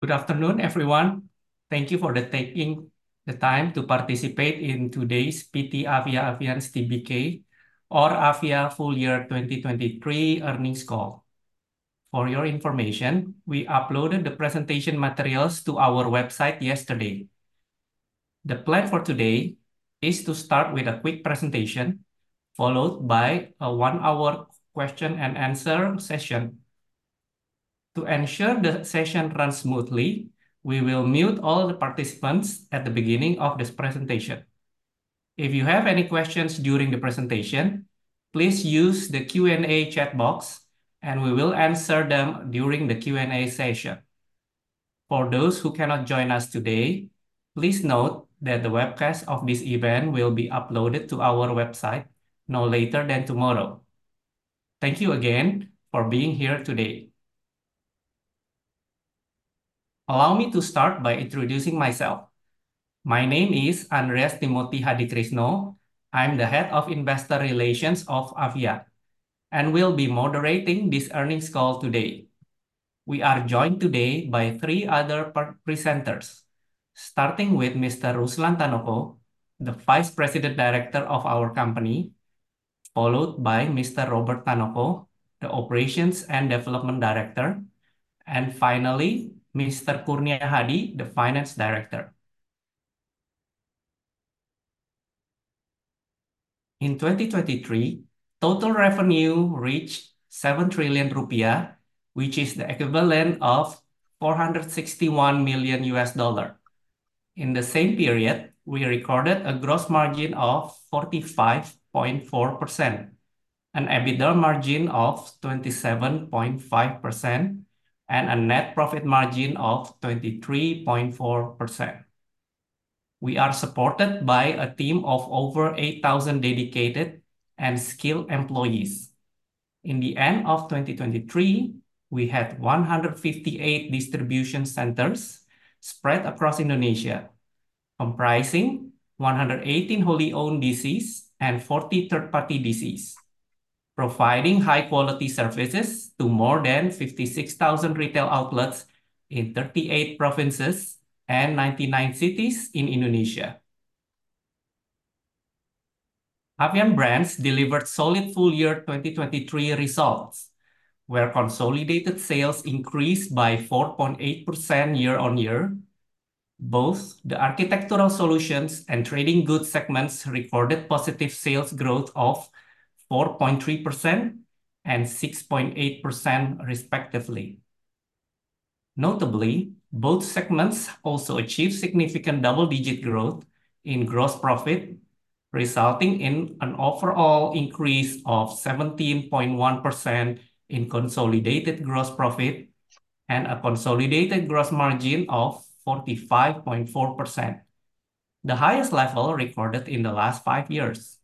Good afternoon, everyone. Thank you for taking the time to participate in today's PT Avia Avian Tbk, or Avia Full Year 2023 Earnings Call. For your information, we uploaded the presentation materials to our website yesterday. The plan for today is to start with a quick presentation, followed by a one-hour question and answer session. To ensure the session runs smoothly, we will mute all the participants at the beginning of this presentation. If you have any questions during the presentation, please use the Q&A chat box, and we will answer them during the Q&A session. For those who cannot join us today, please note that the webcast of this event will be uploaded to our website no later than tomorrow. Thank you again for being here today. Allow me to start by introducing myself. My name is Andreas Timothy Hadikrisno. I'm the Head of Investor Relations of Avia, and will be moderating this earnings call today. We are joined today by three other presenters, starting with Mr. Ruslan Tanoko, the Vice President Director of our company, followed by Mr. Robert Tanoko, the Operations and Development Director, and finally, Mr. Kurnia Hadi, the Finance Director. In 2023, total revenue reached 7 trillion rupiah, which is the equivalent of $461 million. In the same period, we recorded a gross margin of 45.4%, an EBITDA margin of 27.5%, and a net profit margin of 23.4%. We are supported by a team of over 8,000 dedicated and skilled employees. In the end of 2023, we had 158 distribution centers spread across Indonesia, comprising 118 wholly-owned DCs and 40 third-party DCs, providing high-quality services to more than 56,000 retail outlets in 38 provinces and 99 cities in Indonesia. Avian Brands delivered solid full year 2023 results, where consolidated sales increased by 4.8% year-on-year. Both the architectural solutions and trading goods segments recorded positive sales growth of 4.3% and 6.8% respectively. Notably, both segments also achieved significant double-digit growth in gross profit, resulting in an overall increase of 17.1% in consolidated gross profit and a consolidated gross margin of 45.4%, the highest level recorded in the last five years.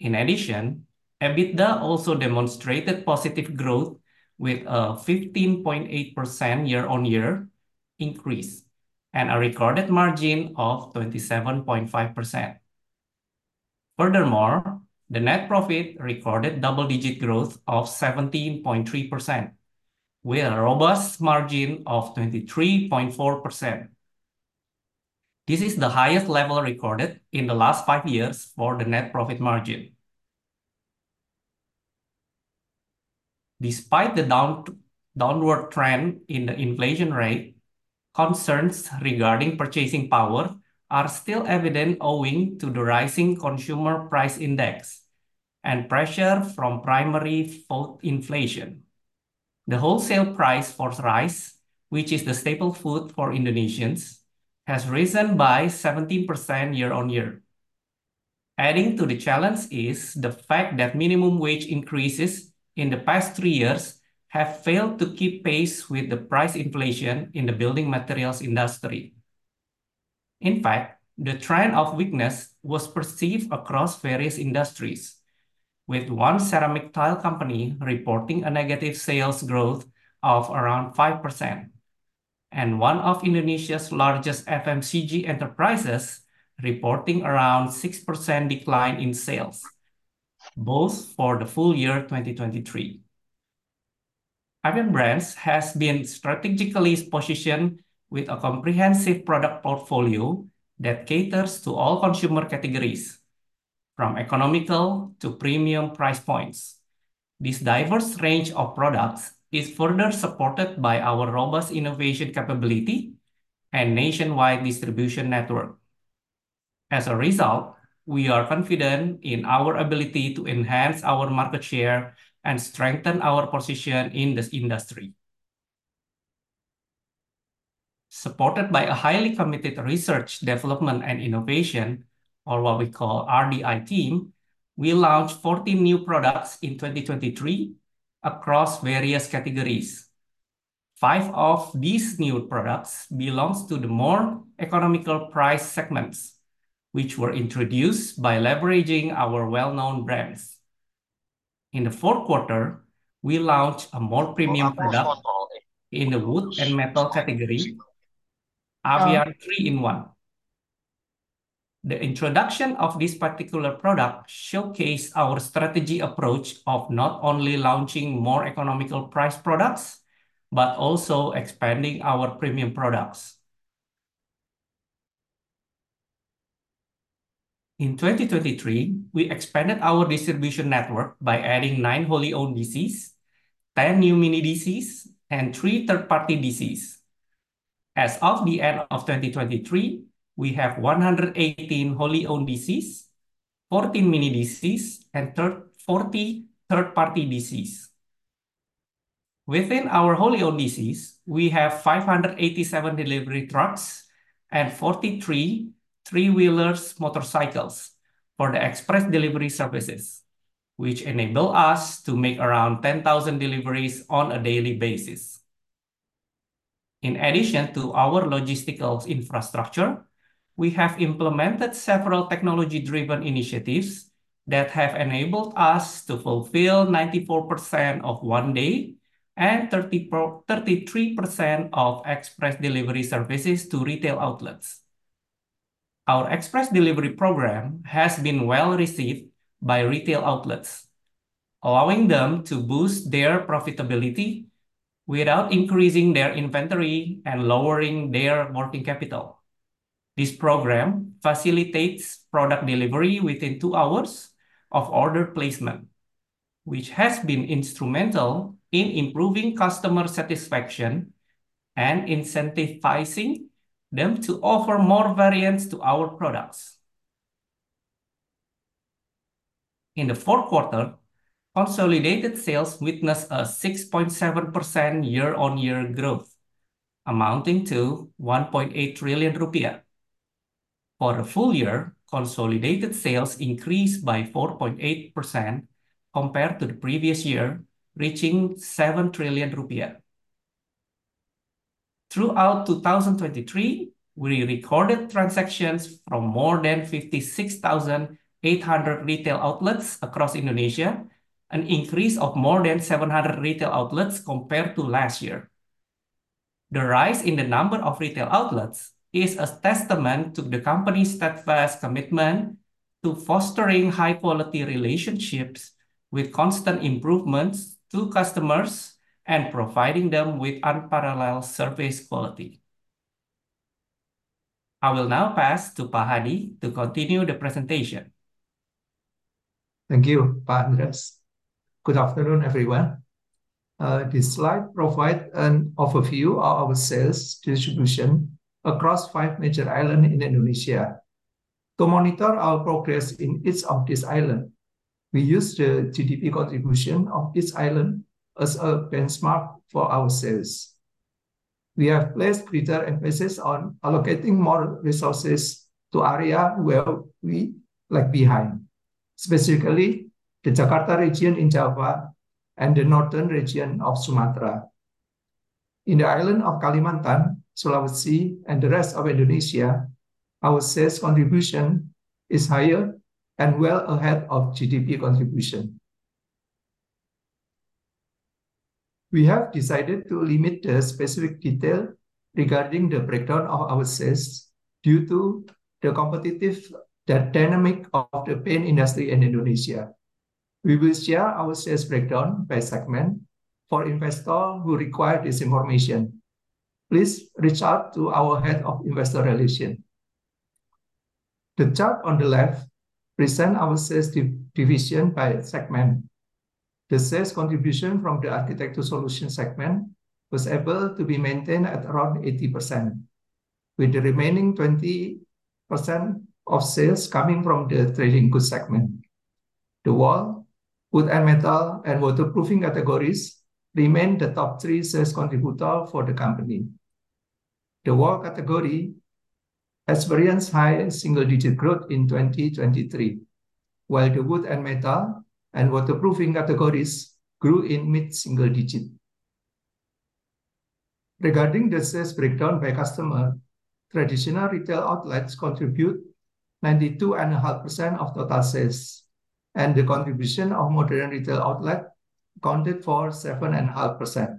In addition, EBITDA also demonstrated positive growth with a 15.8% year-on-year increase, and a recorded margin of 27.5%. Furthermore, the net profit recorded double-digit growth of 17.3%, with a robust margin of 23.4%. This is the highest level recorded in the last 5 years for the net profit margin. Despite the downward trend in the inflation rate, concerns regarding purchasing power are still evident owing to the rising consumer price index and pressure from primary food inflation. The wholesale price for rice, which is the staple food for Indonesians, has risen by 70% year-on-year. Adding to the challenge is the fact that minimum wage increases in the past 3 years have failed to keep pace with the price inflation in the building materials industry. In fact, the trend of weakness was perceived across various industries, with one ceramic tile company reporting a negative sales growth of around 5%, and one of Indonesia's largest FMCG enterprises reporting around 6% decline in sales, both for the full year 2023. Avian Brands has been strategically positioned with a comprehensive product portfolio that caters to all consumer categories, from economical to premium price points. This diverse range of products is further supported by our robust innovation capability and nationwide distribution network. As a result, we are confident in our ability to enhance our market share and strengthen our position in this industry. Supported by a highly committed research, development, and innovation, or what we call RDI team, we launched 14 new products in 2023 across various categories. Five of these new products belongs to the more economical price segments, which were introduced by leveraging our well-known brands. In the fourth quarter, we launched a more premium product in the wood and metal category, Avia 3-in-1.... The introduction of this particular product showcased our strategy approach of not only launching more economical priced products, but also expanding our premium products. In 2023, we expanded our distribution network by adding 9 wholly-owned DCs, 10 new mini DCs, and 3 third-party DCs. As of the end of 2023, we have 118 wholly-owned DCs, 14 mini DCs, and thirty-four third-party DCs. Within our wholly-owned DCs, we have 587 delivery trucks and 43 three-wheelers motorcycles for the express delivery services, which enable us to make around 10,000 deliveries on a daily basis. In addition to our logistical infrastructure, we have implemented several technology-driven initiatives that have enabled us to fulfill 94% of 1-day and 34, 33% of express delivery services to retail outlets. Our express delivery program has been well-received by retail outlets, allowing them to boost their profitability without increasing their inventory and lowering their working capital. This program facilitates product delivery within 2 hours of order placement, which has been instrumental in improving customer satisfaction and incentivizing them to offer more variants to our products. In the fourth quarter, consolidated sales witnessed a 6.7% year-on-year growth, amounting to 1.8 trillion rupiah. For the full year, consolidated sales increased by 4.8% compared to the previous year, reaching 7 trillion rupiah. Throughout 2023, we recorded transactions from more than 56,800 retail outlets across Indonesia, an increase of more than 700 retail outlets compared to last year. The rise in the number of retail outlets is a testament to the company's steadfast commitment to fostering high-quality relationships with constant improvements to customers and providing them with unparalleled service quality. I will now pass to Pak Hadi to continue the presentation. Thank you, Pak Andreas. Good afternoon, everyone. This slide provides an overview of our sales distribution across five major islands in Indonesia. To monitor our progress in each of these islands, we use the GDP contribution of each island as a benchmark for our sales. We have placed greater emphasis on allocating more resources to areas where we lag behind, specifically the Jakarta region in Java and the northern region of Sumatra. In the islands of Kalimantan, Sulawesi, and the rest of Indonesia, our sales contribution is higher and well ahead of GDP contribution. We have decided to limit the specific details regarding the breakdown of our sales due to the competitive dynamics of the paint industry in Indonesia. We will share our sales breakdown by segment. For investors who require this information, please reach out to our Head of Investor Relations. The chart on the left presents our sales division by segment. The sales contribution from the architecture solution segment was able to be maintained at around 80%, with the remaining 20% of sales coming from the trading goods segment. The wall, wood and metal, and waterproofing categories remain the top three sales contributors for the company. The wall category experienced high single-digit growth in 2023, while the wood and metal and waterproofing categories grew in mid-single-digit. Regarding the sales breakdown by customer, traditional retail outlets contribute 92.5% of total sales, and the contribution of modern retail outlets accounted for 7.5%.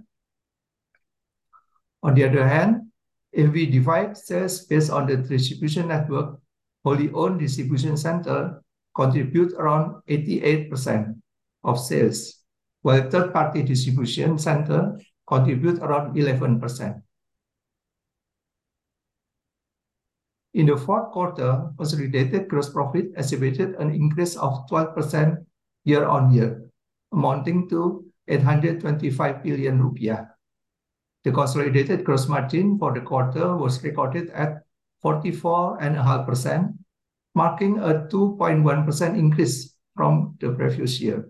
On the other hand, if we divide sales based on the distribution network, wholly-owned distribution centers contribute around 88% of sales, while third-party distribution centers contribute around 11%. In the fourth quarter, consolidated gross profit exhibited an increase of 12% year-on-year, amounting to 825 billion rupiah. The consolidated gross margin for the quarter was recorded at 44.5%, marking a 2.1% increase from the previous year.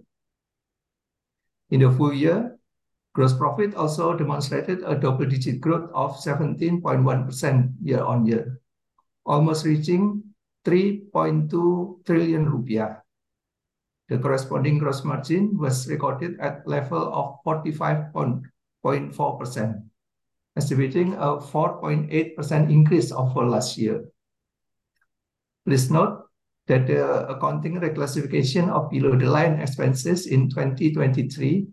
In the full year, gross profit also demonstrated a double-digit growth of 17.1% year-on-year, almost reaching 3.2 trillion rupiah. The corresponding gross margin was recorded at level of 45.4%, exhibiting a 4.8% increase over last year. Please note that the accounting reclassification of below-the-line expenses in 2023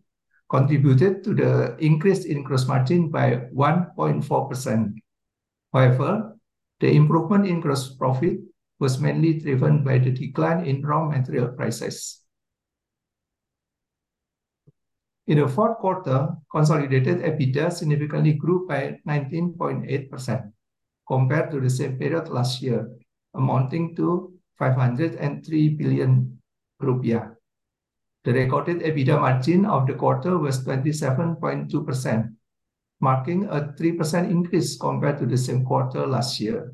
contributed to the increase in gross margin by 1.4%. However, the improvement in gross profit was mainly driven by the decline in raw material prices. In the fourth quarter, consolidated EBITDA significantly grew by 19.8% compared to the same period last year, amounting to 503 billion rupiah. The recorded EBITDA margin of the quarter was 27.2%, marking a 3% increase compared to the same quarter last year.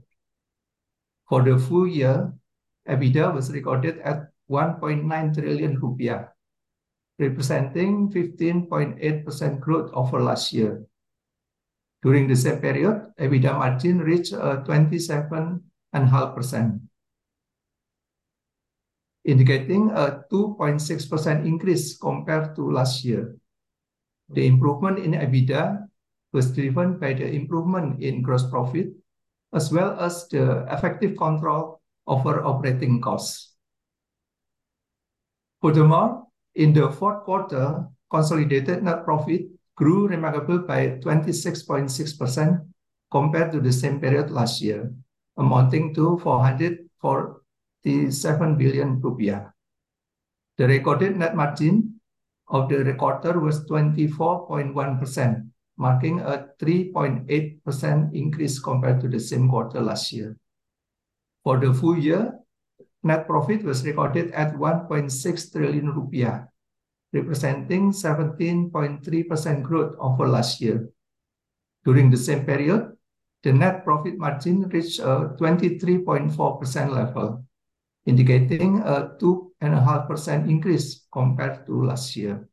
For the full year, EBITDA was recorded at 1.9 trillion rupiah, representing 15.8% growth over last year. During the same period, EBITDA margin reached 27.5%, indicating a 2.6% increase compared to last year. The improvement in EBITDA was driven by the improvement in gross profit, as well as the effective control over operating costs. Furthermore, in the fourth quarter, consolidated net profit grew remarkably by 26.6% compared to the same period last year, amounting to 447 billion rupiah. The recorded net margin of the quarter was 24.1%, marking a 3.8% increase compared to the same quarter last year. For the full year, net profit was recorded at 1.6 trillion rupiah, representing 17.3% growth over last year. During the same period, the net profit margin reached a 23.4% level, indicating a 2.5% increase compared to last year.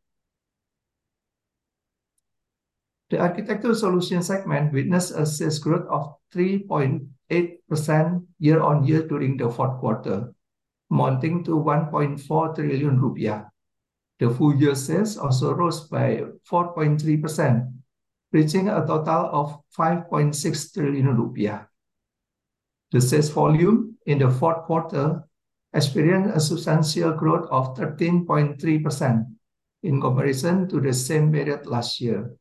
The Architectural Solution segment witnessed a sales growth of 3.8% year-on-year during the fourth quarter, amounting to 1.4 trillion rupiah. The full-year sales also rose by 4.3%, reaching a total of 5.6 trillion rupiah. The sales volume in the fourth quarter experienced a substantial growth of 13.3% in comparison to the same period last year.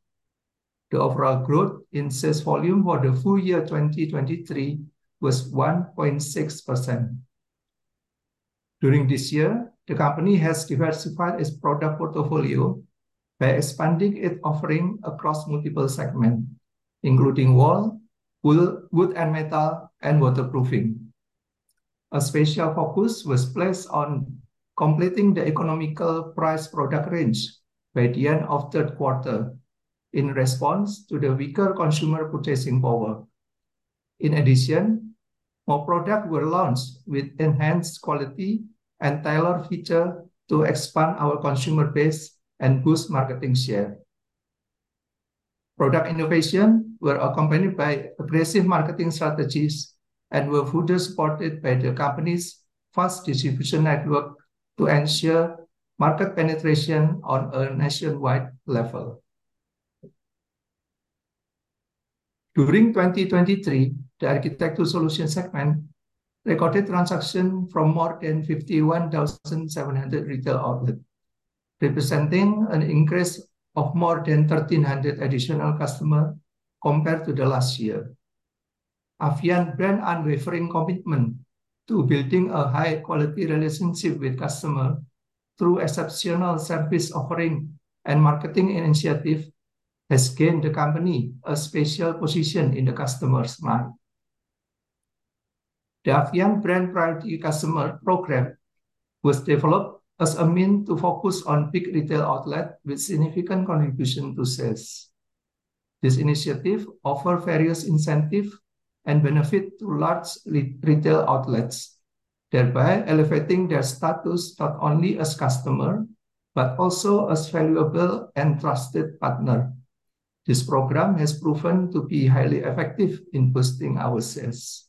The overall growth in sales volume for the full year 2023 was 1.6%. During this year, the company has diversified its product portfolio by expanding its offering across multiple segments, including wall, wood, wood and metal, and waterproofing. A special focus was placed on completing the economical price product range by the end of third quarter in response to the weaker consumer purchasing power. In addition, more products were launched with enhanced quality and tailored features to expand our consumer base and boost market share. Product innovation were accompanied by aggressive marketing strategies and were further supported by the company's fast distribution network to ensure market penetration on a nationwide level. During 2023, the Architectural Solution segment recorded transactions from more than 51,700 retail outlets, representing an increase of more than 1,300 additional customers compared to the last year. Avian Brands' unwavering commitment to building a high-quality relationship with customer through exceptional service offering and marketing initiative has gained the company a special position in the customer's mind. The Avian Brands Priority Customer Program was developed as a means to focus on big retail outlet with significant contribution to sales. This initiative offer various incentive and benefit to large retail outlets, thereby elevating their status not only as customer, but also as valuable and trusted partner. This program has proven to be highly effective in boosting our sales.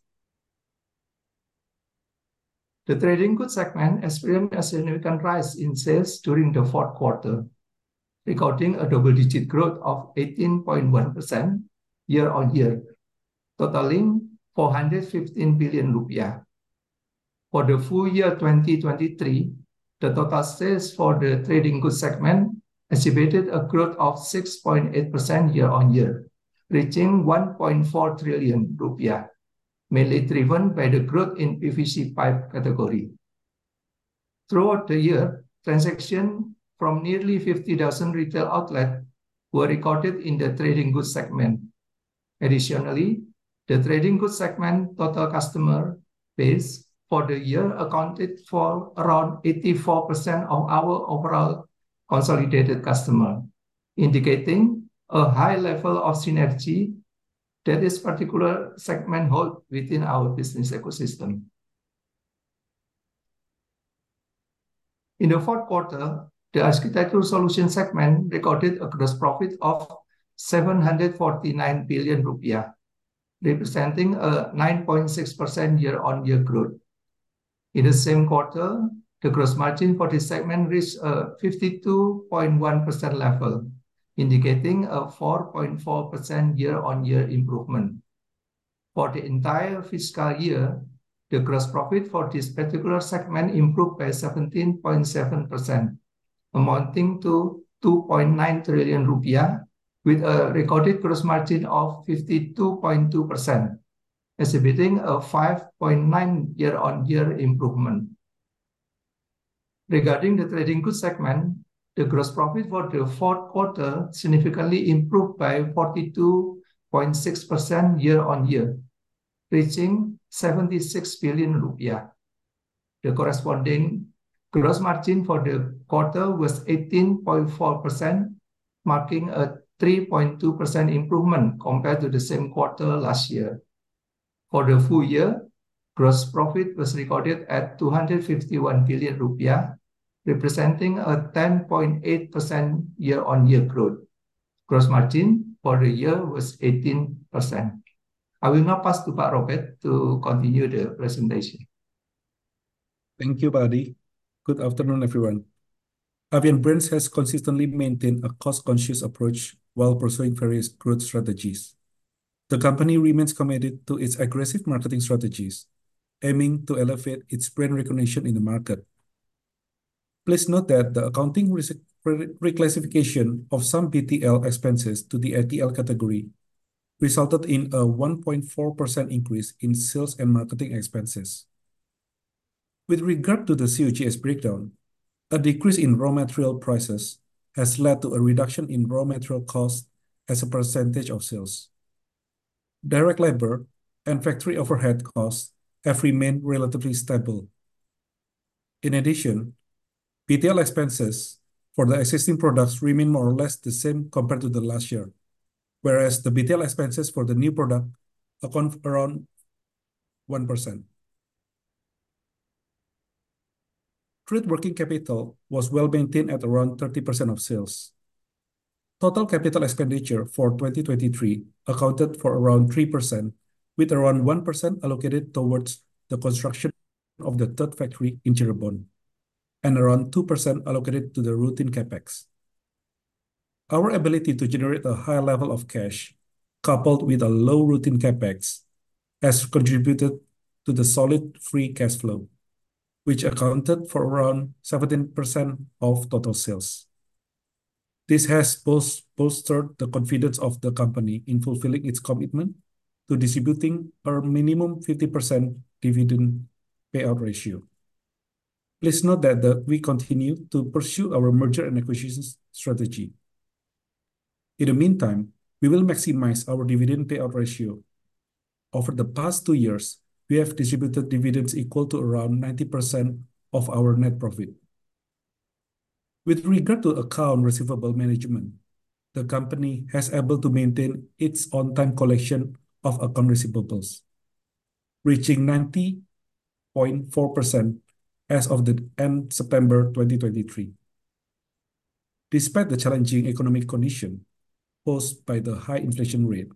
The Trading Goods segment experienced a significant rise in sales during the fourth quarter, recording a double-digit growth of 18.1% year-on-year, totaling 415 billion rupiah. For the full year 2023, the total sales for the Trading Goods segment exhibited a growth of 6.8% year-on-year, reaching 1.4 trillion rupiah, mainly driven by the growth in PVC pipe category. Throughout the year, transactions from nearly 50,000 retail outlets were recorded in the Trading Goods segment. Additionally, the Trading Goods segment total customer base for the year accounted for around 84% of our overall consolidated customers, indicating a high level of synergy that this particular segment holds within our business ecosystem. In the fourth quarter, the Architectural Solutions segment recorded a gross profit of 749 billion rupiah, representing a 9.6% year-on-year growth. In the same quarter, the gross margin for this segment reached a 52.1% level, indicating a 4.4% year-on-year improvement. For the entire fiscal year, the gross profit for this particular segment improved by 17.7%, amounting to 2.9 trillion rupiah, with a recorded gross margin of 52.2%, exhibiting a 5.9 year-on-year improvement. Regarding the trading goods segment, the gross profit for the fourth quarter significantly improved by 42.6% year-on-year, reaching 76 billion rupiah. The corresponding gross margin for the quarter was 18.4%, marking a 3.2% improvement compared to the same quarter last year. For the full year, gross profit was recorded at 251 billion rupiah, representing a 10.8% year-on-year growth. Gross margin for the year was 18%. I will now pass to Pak Robert to continue the presentation. Thank you, Pak Hadi. Total capital expenditure for 2023 accounted for around 3%, with around 1% allocated towards the construction of the third factory in Cirebon, and around 2% allocated to the routine CapEx. Our ability to generate a high level of cash, coupled with a low routine CapEx, has contributed to the solid free cash flow, which accounted for around 17% of total sales. This has bolstered the confidence of the company in fulfilling its commitment to distributing our minimum 50% dividend payout ratio. Please note that, that we continue to pursue our merger and acquisitions strategy. In the meantime, we will maximize our dividend payout ratio. Over the past 2 years, we have distributed dividends equal to around 90% of our net profit. With regard to accounts receivable management, the company has been able to maintain its on-time collection of accounts receivables, reaching 90.4% as of the end of September 2023, despite the challenging economic condition posed by the high inflation rate.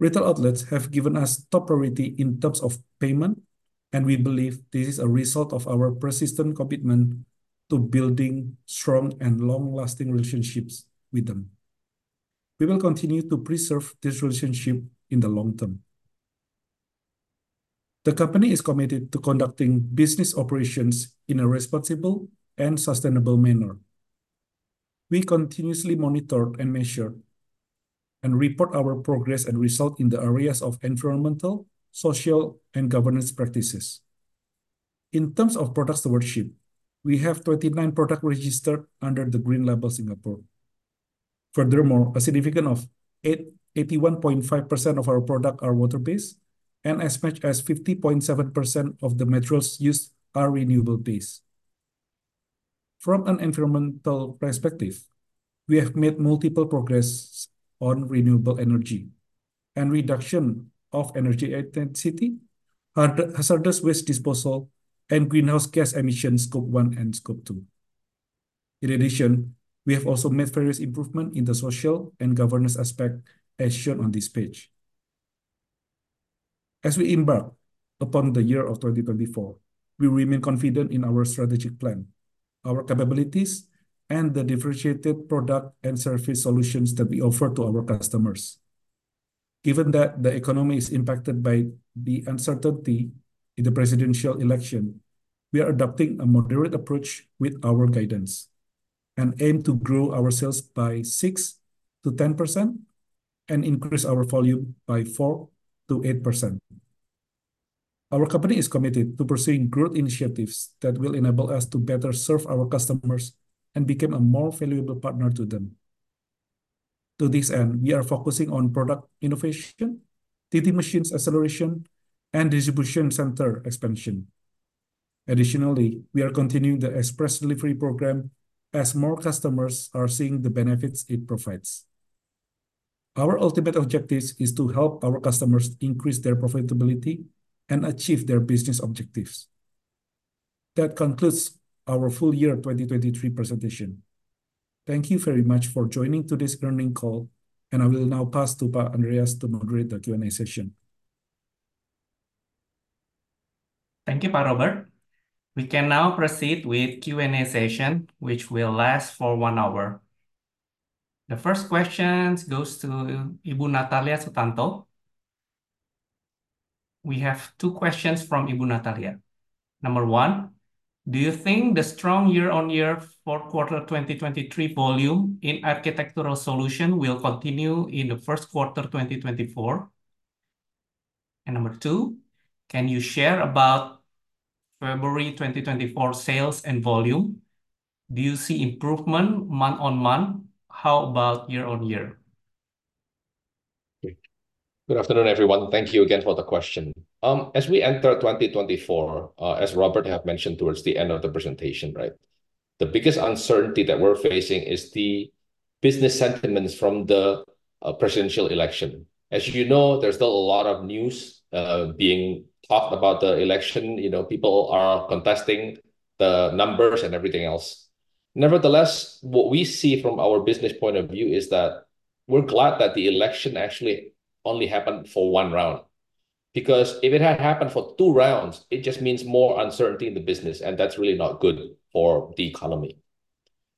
Retail outlets have given us top priority in terms of payment, and we believe this is a result of our persistent commitment to building strong and long-lasting relationships with them. We will continue to preserve this relationship in the long term. The company is committed to conducting business operations in a responsible and sustainable manner. We continuously monitor and measure, and report our progress and results in the areas of environmental, social, and governance practices. In terms of product stewardship, we have 29 products registered under the Green Label Singapore. Furthermore, 81.5% of our products are water-based, and as much as 50.7% of the materials used are renewable-based. From an environmental perspective, we have made multiple progress on renewable energy and reduction of energy intensity, hazardous waste disposal, and greenhouse gas emissions, Scope 1 and Scope 2. In addition, we have also made various improvements in the social and governance aspect, as shown on this page. As we embark upon the year of 2024, we remain confident in our strategic plan, our capabilities, and the differentiated product and service solutions that we offer to our customers. Given that the economy is impacted by the uncertainty in the presidential election, we are adopting a moderate approach with our guidance, and aim to grow our sales by 6%-10% and increase our volume by 4%-8%. Our company is committed to pursuing growth initiatives that will enable us to better serve our customers and become a more valuable partner to them. To this end, we are focusing on product innovation, TT machines acceleration, and distribution center expansion. Additionally, we are continuing the express delivery program as more customers are seeing the benefits it provides. Our ultimate objective is to help our customers increase their profitability and achieve their business objectives. That concludes our full year 2023 presentation. Thank you very much for joining today's earnings call, and I will now pass to Pak Andreas to moderate the Q&A session.... Thank you, Pak Robert. We can now proceed with Q&A session, which will last for one hour. The first question goes to Ibu Natalia Sutanto. We have two questions from Ibu Natalia. Number one: Do you think the strong year-on-year fourth quarter 2023 volume in architectural solution will continue in the first quarter 2024? And number two, can you share about February 2024 sales and volume? Do you see improvement month-on-month? How about year-on-year? Good afternoon, everyone. Thank you again for the question. As we enter 2024, as Robert have mentioned towards the end of the presentation, right, the biggest uncertainty that we're facing is the business sentiments from the presidential election. As you know, there's still a lot of news being talked about the election. You know, people are contesting the numbers and everything else. Nevertheless, what we see from our business point of view is that we're glad that the election actually only happened for one round, because if it had happened for two rounds, it just means more uncertainty in the business, and that's really not good for the economy.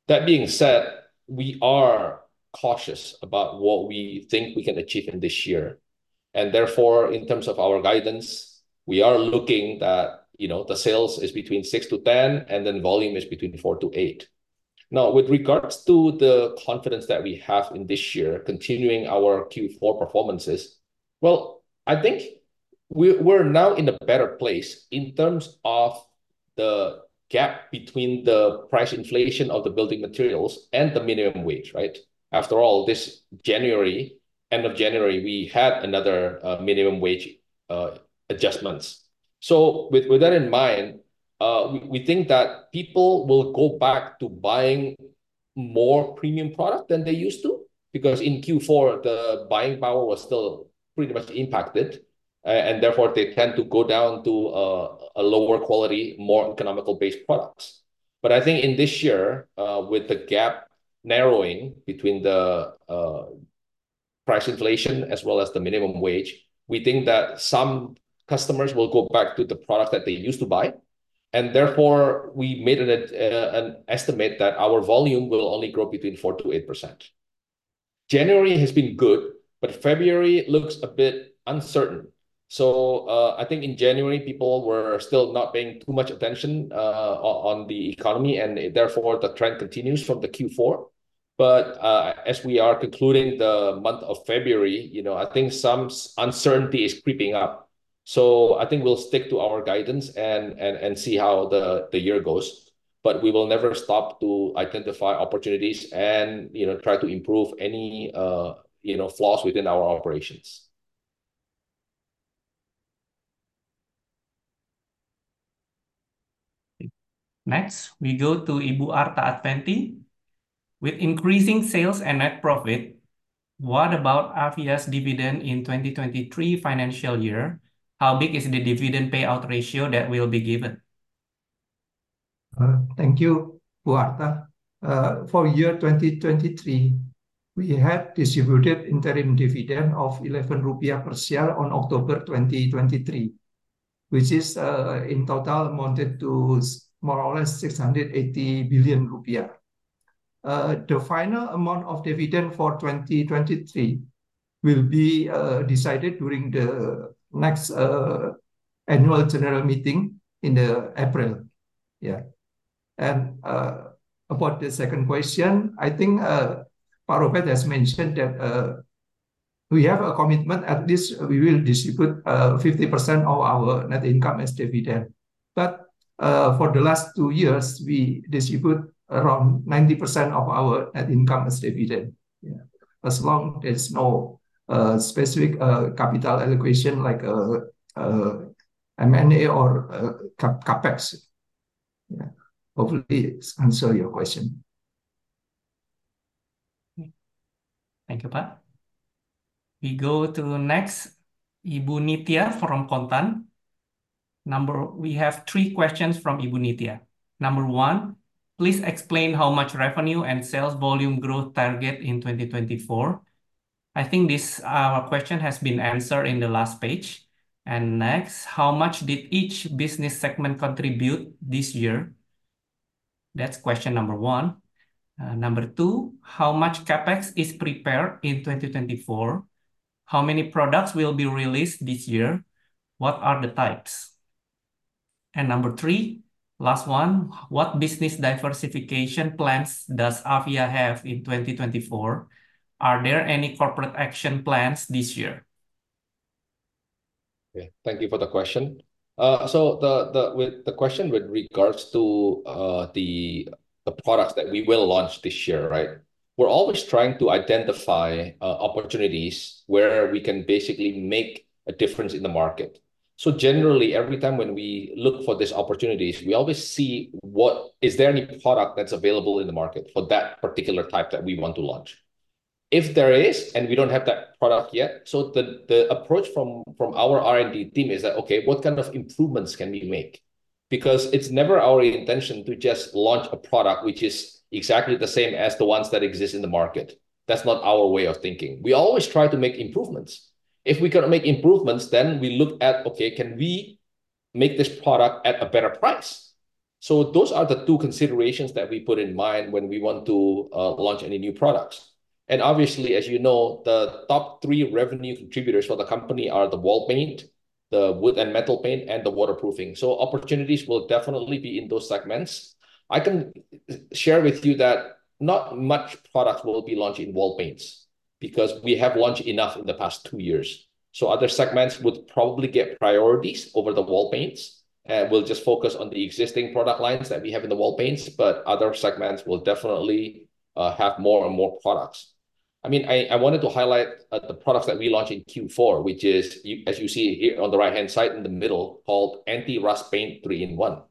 That being said, we are cautious about what we think we can achieve in this year, and therefore, in terms of our guidance, we are looking that, you know, the sales is between 6%-10%, and then volume is between 4%-8%. Now, with regards to the confidence that we have in this year, continuing our Q4 performances, well, I think we're now in a better place in terms of the gap between the price inflation of the building materials and the minimum wage, right? After all, this January, end of January, we had another minimum wage adjustments. So with that in mind, we think that people will go back to buying more premium product than they used to, because in Q4, the buying power was still pretty much impacted, and therefore, they tend to go down to a lower quality, more economical-based products. But I think in this year, with the gap narrowing between the price inflation as well as the minimum wage, we think that some customers will go back to the product that they used to buy, and therefore, we made it an estimate that our volume will only grow between 4%-8%. January has been good, but February looks a bit uncertain. So, I think in January, people were still not paying too much attention on the economy, and therefore, the trend continues from the Q4. But, as we are concluding the month of February, you know, I think some uncertainty is creeping up. So I think we'll stick to our guidance and see how the year goes, but we will never stop to identify opportunities and, you know, try to improve any flaws within our operations. Next, we go to Ibu Arta Advanti. With increasing sales and net profit, what about Avia's dividend in 2023 financial year? How big is the dividend payout ratio that will be given? Thank you, Bu Arta. For 2023, we had distributed interim dividend of 11 rupiah per share on October 2023, which is in total amounted to more or less 680 billion rupiah. The final amount of dividend for 2023 will be decided during the next annual general meeting in April. Yeah. And about the second question, I think Pak Robert has mentioned that we have a commitment, at least we will distribute 50% of our net income as dividend. But for the last two years, we distribute around 90% of our net income as dividend. Yeah. As long as no specific capital allocation, like M&A or CapEx. Yeah. Hopefully answer your question. Thank you, Pak. We go to the next, Ibu Nitya from Kontan. Number one. We have three questions from Ibu Nitya. Number one, please explain how much revenue and sales volume growth target in 2024. I think this question has been answered in the last page. And next, how much did each business segment contribute this year? That's question number one. Number two, how much CapEx is prepared in 2024? How many products will be released this year? What are the types? And number three, last one, what business diversification plans does Avia have in 2024? Are there any corporate action plans this year? Yeah. Thank you for the question. So the question with regards to the products that we will launch this year, right? We're always trying to identify opportunities where we can basically make a difference in the market. So generally, every time when we look for these opportunities, we always see what... Is there any product that's available in the market for that particular type that we want to launch? If there is, and we don't have that product yet, so the approach from our R&D team is that, okay, what kind of improvements can we make?... because it's never our intention to just launch a product which is exactly the same as the ones that exist in the market. That's not our way of thinking. We always try to make improvements. If we cannot make improvements, then we look at, okay, can we make this product at a better price? So those are the two considerations that we put in mind when we want to launch any new products. And obviously, as you know, the top three revenue contributors for the company are the wall paint, the wood and metal paint, and the waterproofing. So opportunities will definitely be in those segments. I can share with you that not much products will be launched in wall paints, because we have launched enough in the past two years. So other segments would probably get priorities over the wall paints, and we'll just focus on the existing product lines that we have in the wall paints, but other segments will definitely have more and more products. I mean, I wanted to highlight the products that we launched in Q4, which is, as you see here on the right-hand side in the middle, called Anti-Rust Paint 3-in-1.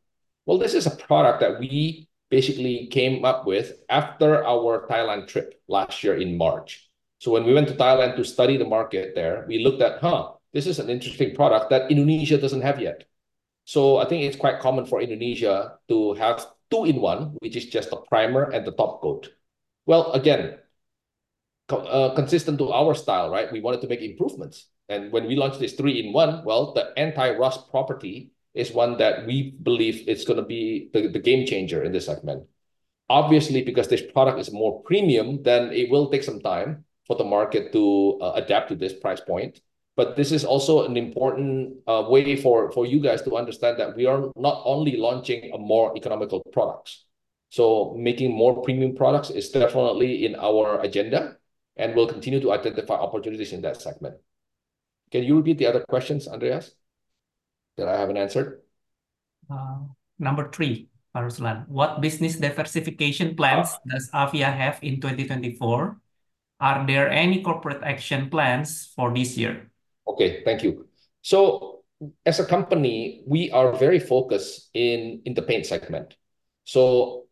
Well, this is a product that we basically came up with after our Thailand trip last year in March. So when we went to Thailand to study the market there, we looked at this is an interesting product that Indonesia doesn't have yet. So I think it's quite common for Indonesia to have 2-in-1, which is just a primer and the top coat. Well, again, consistent to our style, right, we wanted to make improvements. And when we launched this 3-in-1, well, the anti-rust property is one that we believe is gonna be the game changer in this segment. Obviously, because this product is more premium, then it will take some time for the market to adapt to this price point. But this is also an important way for you guys to understand that we are not only launching a more economical products. So making more premium products is definitely in our agenda, and we'll continue to identify opportunities in that segment. Can you read the other questions, Andreas, that I haven't answered? Number 3, Ruslan: What business diversification plans does Avia have in 2024? Are there any corporate action plans for this year? Okay, thank you. So as a company, we are very focused in, in the paint segment, so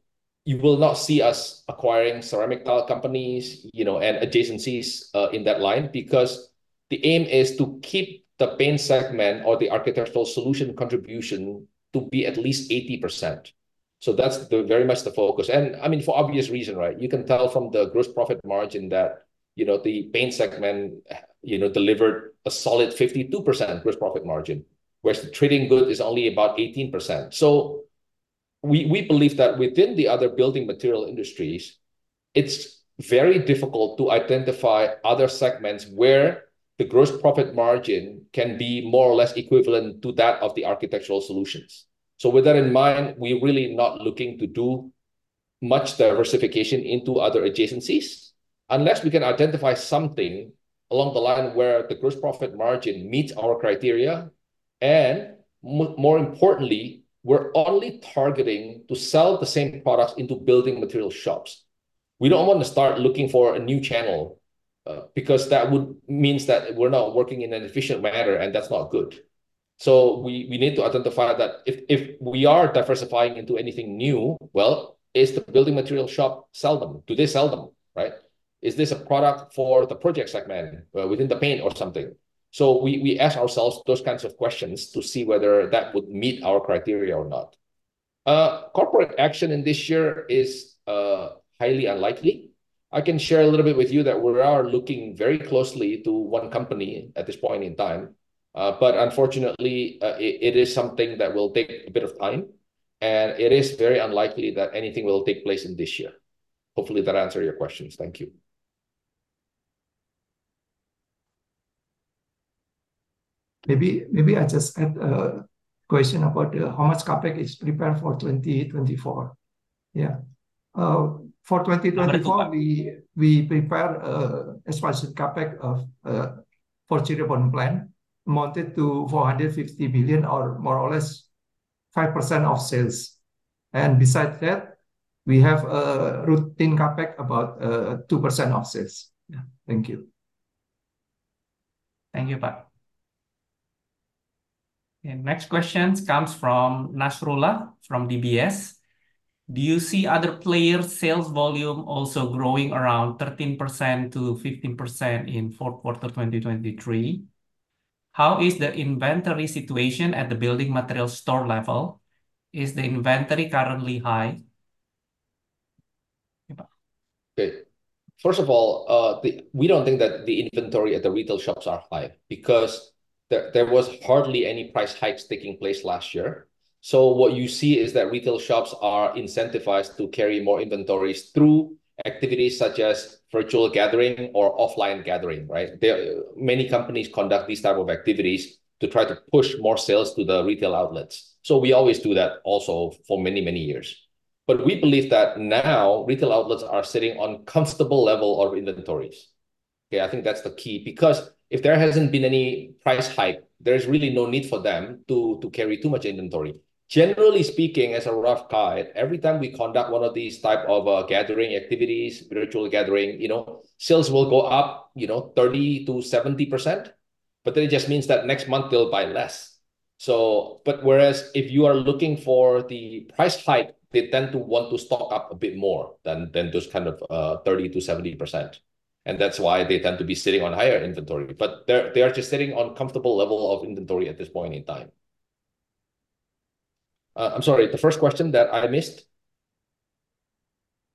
you will not see us acquiring ceramic tile companies, you know, and adjacencies in that line, because the aim is to keep the paint segment or the architectural solution contribution to be at least 80%. So that's the very much the focus, and, I mean, for obvious reason, right? You can tell from the gross profit margin that, you know, the paint segment delivered a solid 52% gross profit margin, whereas the trading good is only about 18%. So we believe that within the other building material industries, it's very difficult to identify other segments where the gross profit margin can be more or less equivalent to that of the architectural solutions. So with that in mind, we're really not looking to do much diversification into other adjacencies, unless we can identify something along the line where the gross profit margin meets our criteria, and more importantly, we're only targeting to sell the same products into building material shops. We don't want to start looking for a new channel, because that would means that we're not working in an efficient manner, and that's not good. So we need to identify that if we are diversifying into anything new, well, is the building material shop sell them? Do they sell them, right? Is this a product for the project segment, within the paint or something? So we ask ourselves those kinds of questions to see whether that would meet our criteria or not. Corporate action in this year is highly unlikely. I can share a little bit with you that we are looking very closely to one company at this point in time, but unfortunately, it is something that will take a bit of time, and it is very unlikely that anything will take place in this year. Hopefully that answer your questions. Thank you. Maybe, maybe I just add a question about how much CapEx is prepared for 2024? Yeah. For 2024-... We, we prepare as much CapEx of for Cirebon plant amounted to 450 billion, or more or less 5% of sales. Besides that, we have a routine CapEx, about 2% of sales. Yeah. Thank you. Thank you, Pak. Next questions comes from Nasrullah, from DBS. Do you see other players' sales volume also growing around 13%-15% in fourth quarter 2023? How is the inventory situation at the building material store level? Is the inventory currently high? Pak. Okay. First of all, we don't think that the inventory at the retail shops are high, because there was hardly any price hikes taking place last year. So what you see is that retail shops are incentivized to carry more inventories through activities such as virtual gathering or offline gathering, right? Many companies conduct these type of activities to try to push more sales to the retail outlets. So we always do that also for many, many years. But we believe that now retail outlets are sitting on comfortable level of inventories. Okay, I think that's the key, because if there hasn't been any price hike, there's really no need for them to carry too much inventory. Generally speaking, as a rough guide, every time we conduct one of these type of, gathering activities, virtual gathering, you know, sales will go up, you know, 30%-70%, but then it just means that next month they'll buy less. So but whereas if you are looking for the price hike, they tend to want to stock up a bit more than, than just kind of, 30%-70%, and that's why they tend to be sitting on higher inventory. But they're, they are just sitting on comfortable level of inventory at this point in time. I'm sorry, the first question that I missed?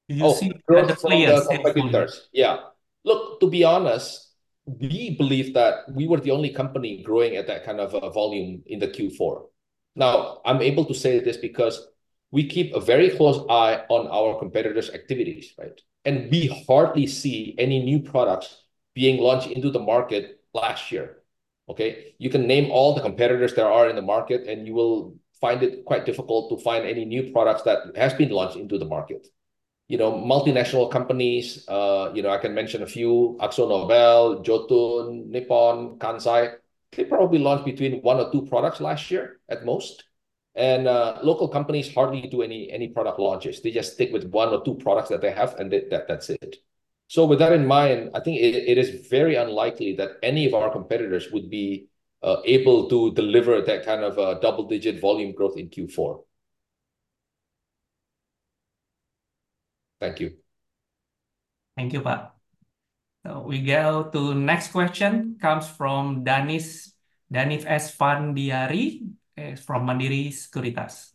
Do you see growth from the- From competitors, yeah. Look, to be honest, we believe that we were the only company growing at that kind of a volume in the Q4. Now, I'm able to say this because we keep a very close eye on our competitors' activities, right? And we hardly see any new products being launched into the market last year, okay? You can name all the competitors there are in the market, and you will find it quite difficult to find any new products that has been launched into the market. You know, multinational companies, you know, I can mention a few, AkzoNobel, Jotun, Nippon, Kansai, they probably launched between one or two products last year at most. And local companies hardly do any product launches. They just stick with one or two products that they have, and that, that's it. So with that in mind, I think it is very unlikely that any of our competitors would be able to deliver that kind of double-digit volume growth in Q4. Thank you. Thank you, Pak. Now we go to next question, comes from Danif S. Fandiari from Mandiri Sekuritas.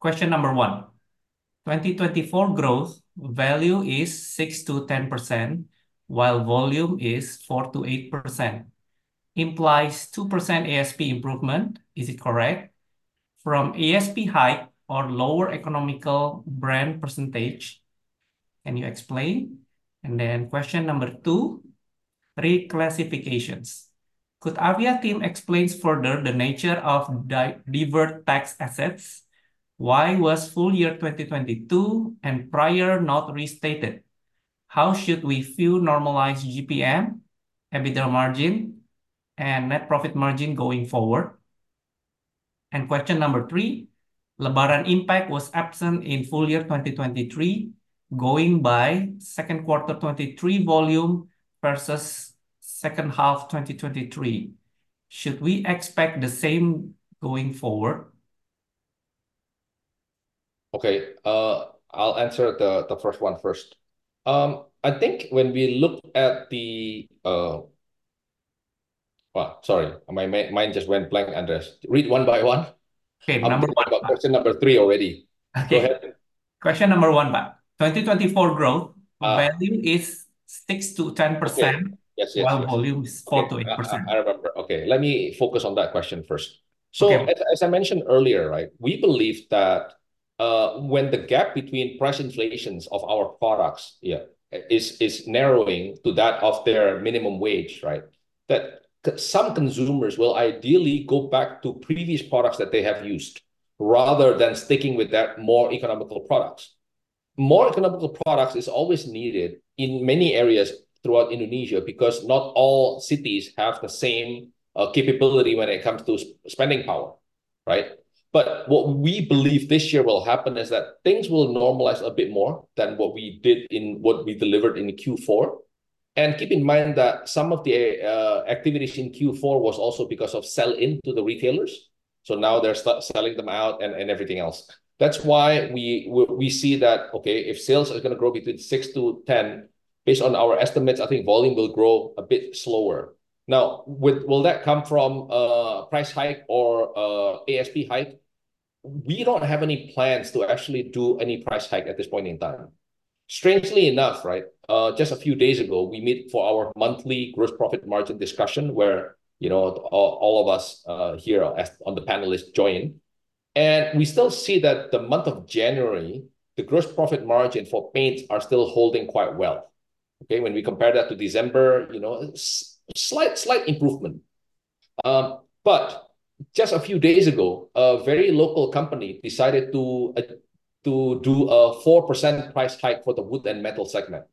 Question number one: 2024 growth value is 6%-10%, while volume is 4%-8%, implies 2% ASP improvement. Is it correct? From ASP high or lower economical brand percentage, can you explain? And then question number two, reclassifications. Could Avia team explain further the nature of deferred tax assets? Why was full year 2022 and prior not restated? How should we view normalized GPM, EBITDA margin, and net profit margin going forward? And question number three, Lebaran impact was absent in full year 2023, going by second quarter 2023 volume versus second half 2023. Should we expect the same going forward? Okay, I'll answer the first one first. I think when we look at the... Well, sorry, my mind just went blank, Andreas. Read one by one. Okay, number- Number 1, question number 3 already. Okay. Go ahead. Question number one, Pak. 2024 growth- Uh... value is 6%-10%- Yes, yes, yes while volume is 4%-8%. Okay, I remember. Okay, let me focus on that question first. Okay. So, as I mentioned earlier, right, we believe that when the gap between price inflations of our products, yeah, is narrowing to that of their minimum wage, right? That some consumers will ideally go back to previous products that they have used, rather than sticking with that more economical products. More economical products is always needed in many areas throughout Indonesia, because not all cities have the same capability when it comes to spending power, right? But what we believe this year will happen is that things will normalize a bit more than what we did in what we delivered in Q4. And keep in mind that some of the activities in Q4 was also because of sell-in to the retailers, so now they're start selling them out and everything else. That's why we see that, okay, if sales are gonna grow between 6%-10%, based on our estimates, I think volume will grow a bit slower. Now, will that come from price hike or ASP hike? We don't have any plans to actually do any price hike at this point in time. Strangely enough, right, just a few days ago, we met for our monthly gross profit margin discussion, where, you know, all of us here on the panel join. And we still see that the month of January, the gross profit margin for paints are still holding quite well, okay? When we compare that to December, you know, slight improvement. But just a few days ago, a very local company decided to do a 4% price hike for the wood and metal segment.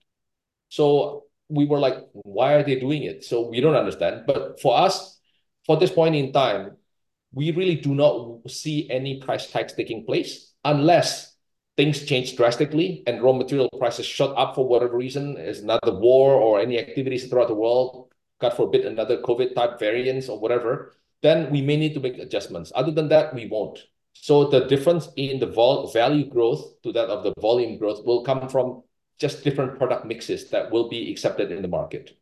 So we were like, "Why are they doing it?" So we don't understand. But for us, for this point in time, we really do not see any price hikes taking place, unless things change drastically and raw material prices shoot up for whatever reason, it's another war or any activities throughout the world, God forbid, another COVID-type variance or whatever, then we may need to make adjustments. Other than that, we won't. So the difference in the value growth to that of the volume growth will come from just different product mixes that will be accepted in the market.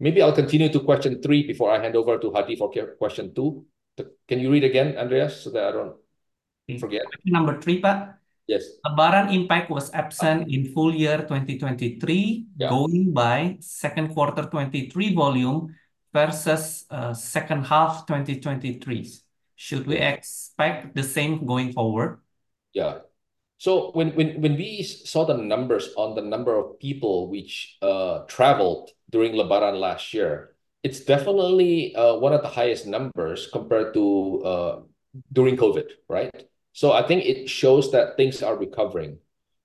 Maybe I'll continue to question three before I hand over to Hadi for question two. But can you read again, Andreas, so that I don't forget? Question number three, Pak? Yes. Lebaran impact was absent in full year 2023- Yeah... going by second quarter 2023 volume versus second half 2023. Should we expect the same going forward? Yeah. So when we saw the numbers on the number of people which traveled during Lebaran last year, it's definitely one of the highest numbers compared to during COVID, right? So I think it shows that things are recovering.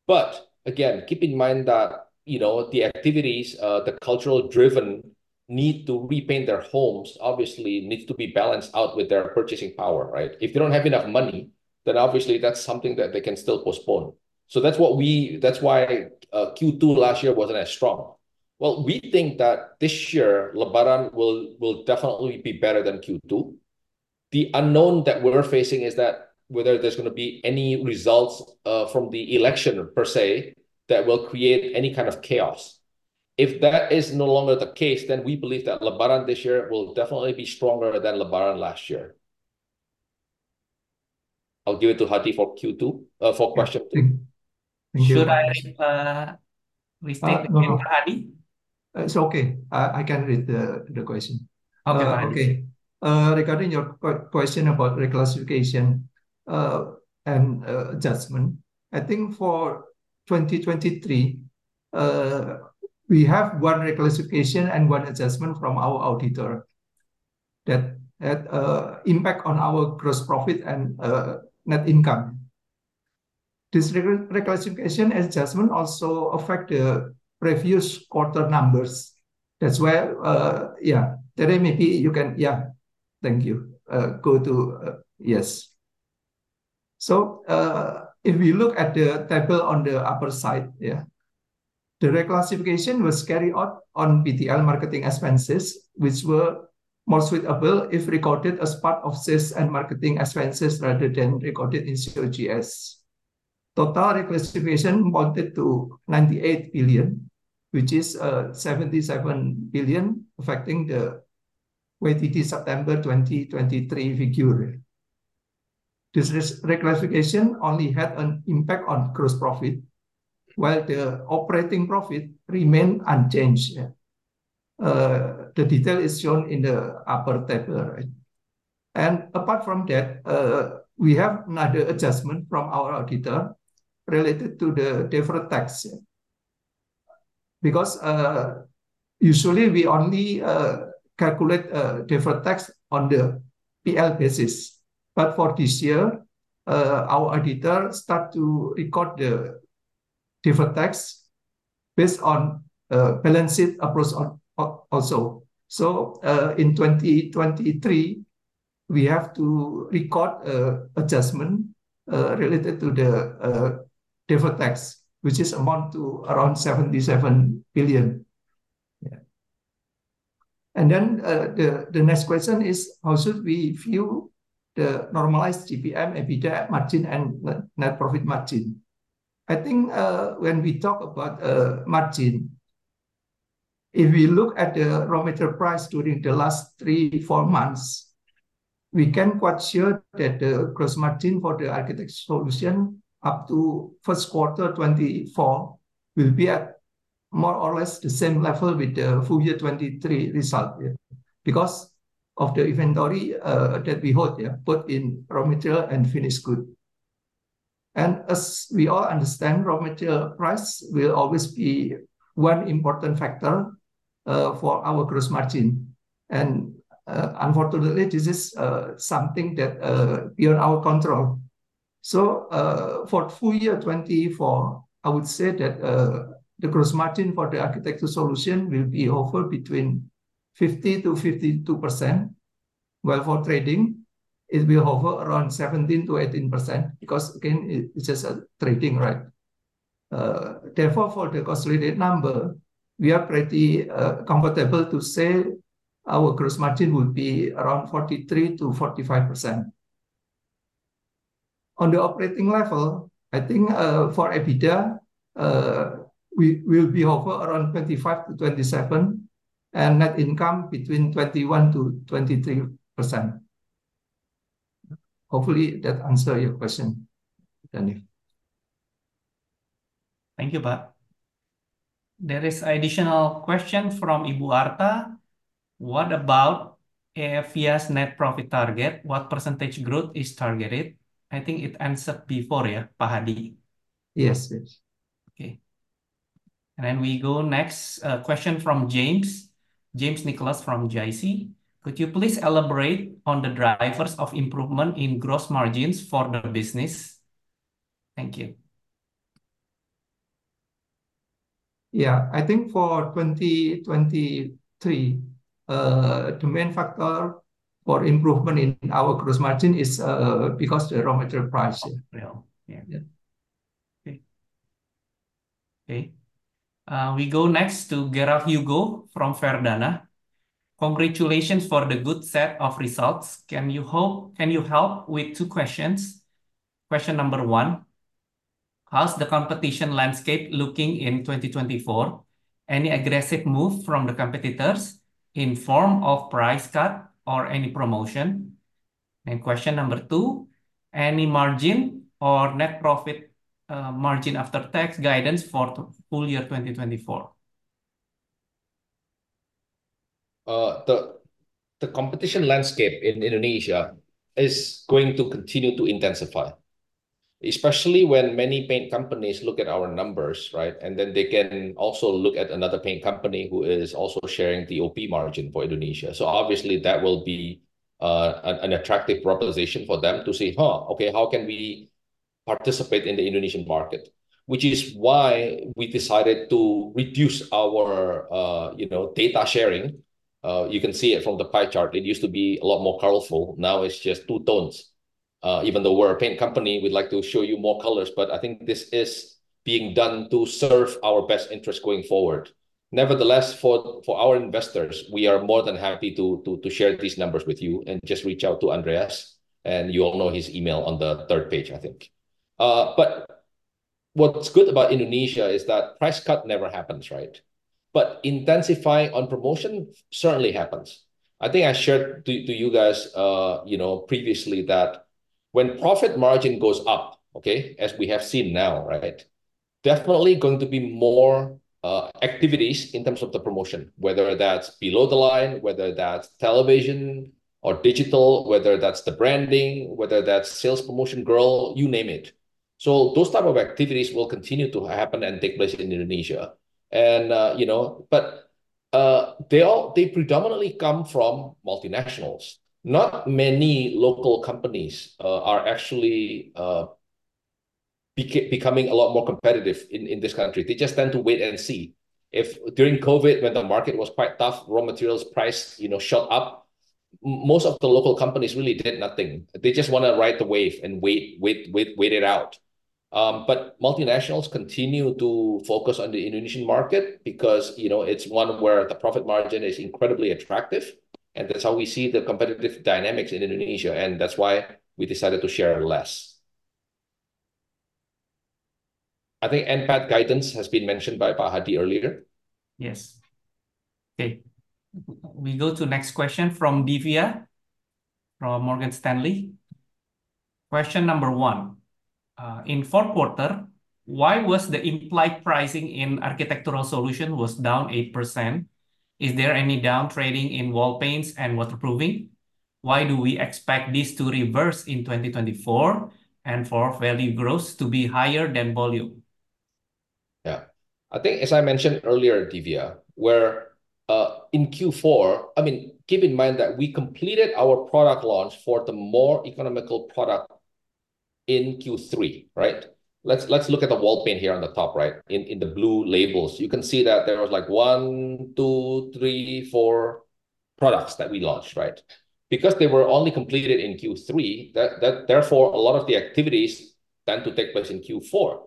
But again, keep in mind that, you know, the activities, the cultural-driven need to repaint their homes obviously needs to be balanced out with their purchasing power, right? If you don't have enough money, then obviously that's something that they can still postpone. So that's what we- that's why Q2 last year wasn't as strong. Well, we think that this year, Lebaran will definitely be better than Q2. The unknown that we're facing is that whether there's gonna be any results from the election per se, that will create any kind of chaos. If that is no longer the case, then we believe that Lebaran this year will definitely be stronger than Lebaran last year. I'll give it to Hadi for Q2, for question two. Thank you. Should I restate again for Hadi? It's okay. I can read the question. Okay, fine. Okay, regarding your question about reclassification and adjustment, I think for 2023, we have one reclassification and one adjustment from our auditor that had impact on our gross profit and net income. This reclassification adjustment also affect the previous quarter numbers. That's why... Yeah, Terry, maybe you can... Yeah, thank you. Go to... Yes. So, if we look at the table on the upper side, yeah, the reclassification was carried out on BTL marketing expenses, which were more suitable if recorded as part of sales and marketing expenses rather than recorded in COGS. Total reclassification amounted to 98 billion, which is 77 billion, affecting the QTD September 2023 figure. This reclassification only had an impact on gross profit, while the operating profit remained unchanged. Yeah. The detail is shown in the upper table, right? And apart from that, we have another adjustment from our auditor related to the deferred tax, yeah. Because, usually we only, calculate, deferred tax on the PL basis. But for this year, our auditor start to record the deferred tax based on, balance sheet approach on, also. So, in 2023, we have to record, adjustment, related to the, deferred tax, which is amount to around 77 billion. Yeah. And then, the, the next question is, how should we view the normalized GPM, EBITDA margin, and net, net profit margin? I think, when we talk about, margin, if we look at the raw material price during the last 3-4 months, we can quite sure that the gross margin for the architecture solution up to first quarter 2024 will be at more or less the same level with the full year 2023 result, yeah, because of the inventory, that we hold, yeah, both in raw material and finished good. And as we all understand, raw material price will always be one important factor, for our gross margin, and, unfortunately, this is, something that, beyond our control. So, for full year 2024, I would say that, the gross margin for the architecture solution will be hover between 50%-52%, while for trading, it will hover around 17%-18%, because again, it, it's just a trading, right? Therefore, for the consolidated number, we are pretty comfortable to say our gross margin will be around 43%-45%. On the operating level, I think, for EBITDA, we will be hover around 25-27, and net income between 21%-23%. Hopefully that answer your question, Danny. Thank you, Pak. There is additional question from Ibu Arta: What about Avia's net profit target? What percentage growth is targeted? I think it answered before, yeah, Pak Hadi? Yes, it is. Okay. And then we go next, question from James Nicholas from JC: Could you please elaborate on the drivers of improvement in gross margins for the business? Thank you. Yeah, I think for 2023, the main factor for improvement in our gross margin is because the raw material price. Raw, yeah. Yeah. Okay. We go next to Gerard Hugo from Verdhana. Congratulations for the good set of results. Can you help with two questions? Question number one: How's the competition landscape looking in 2024? Any aggressive move from the competitors in form of price cut or any promotion? And question number two: Any margin or net profit, margin after tax guidance for the full year 2024? The competition landscape in Indonesia is going to continue to intensify, especially when many paint companies look at our numbers, right? And then they can also look at another paint company who is also sharing the OP margin for Indonesia. So obviously, that will be an attractive proposition for them to say, "Huh, okay, how can we participate in the Indonesian market?" Which is why we decided to reduce our, you know, data sharing. You can see it from the pie chart. It used to be a lot more colorful, now it's just two tones. Even though we're a paint company, we'd like to show you more colors, but I think this is being done to serve our best interest going forward. Nevertheless, for our investors, we are more than happy to share these numbers with you, and just reach out to Andreas, and you all know his email on the third page, I think. But what's good about Indonesia is that price cut never happens, right? But intensifying on promotion certainly happens. I think I shared to you guys, you know, previously that when profit margin goes up, okay, as we have seen now, right, definitely going to be more activities in terms of the promotion, whether that's below the line, whether that's television or digital, whether that's the branding, whether that's sales promotion girl, you name it. So those type of activities will continue to happen and take place in Indonesia. And, you know, but they predominantly come from multinationals. Not many local companies are actually becoming a lot more competitive in this country. They just tend to wait and see. If during COVID, when the market was quite tough, raw materials price, you know, shot up, most of the local companies really did nothing. They just wanna ride the wave and wait, wait, wait, wait it out. But multinationals continue to focus on the Indonesian market because, you know, it's one where the profit margin is incredibly attractive, and that's how we see the competitive dynamics in Indonesia, and that's why we decided to share less. I think NPAT guidance has been mentioned by Hadi earlier. Yes. Okay. We go to next question from Divya, from Morgan Stanley. Question number one: In fourth quarter, why was the implied pricing in architectural solution was down 8%? Is there any downtrending in wall paints and waterproofing? Why do we expect this to reverse in 2024, and for value growth to be higher than volume? Yeah. I think, as I mentioned earlier, Divya, where in Q4... I mean, keep in mind that we completed our product launch for the more economical product in Q3, right? Let's look at the wall paint here on the top right, in the blue labels. You can see that there was, like, one, two, three, four products that we launched, right? Because they were only completed in Q3, that therefore, a lot of the activities tend to take place in Q4.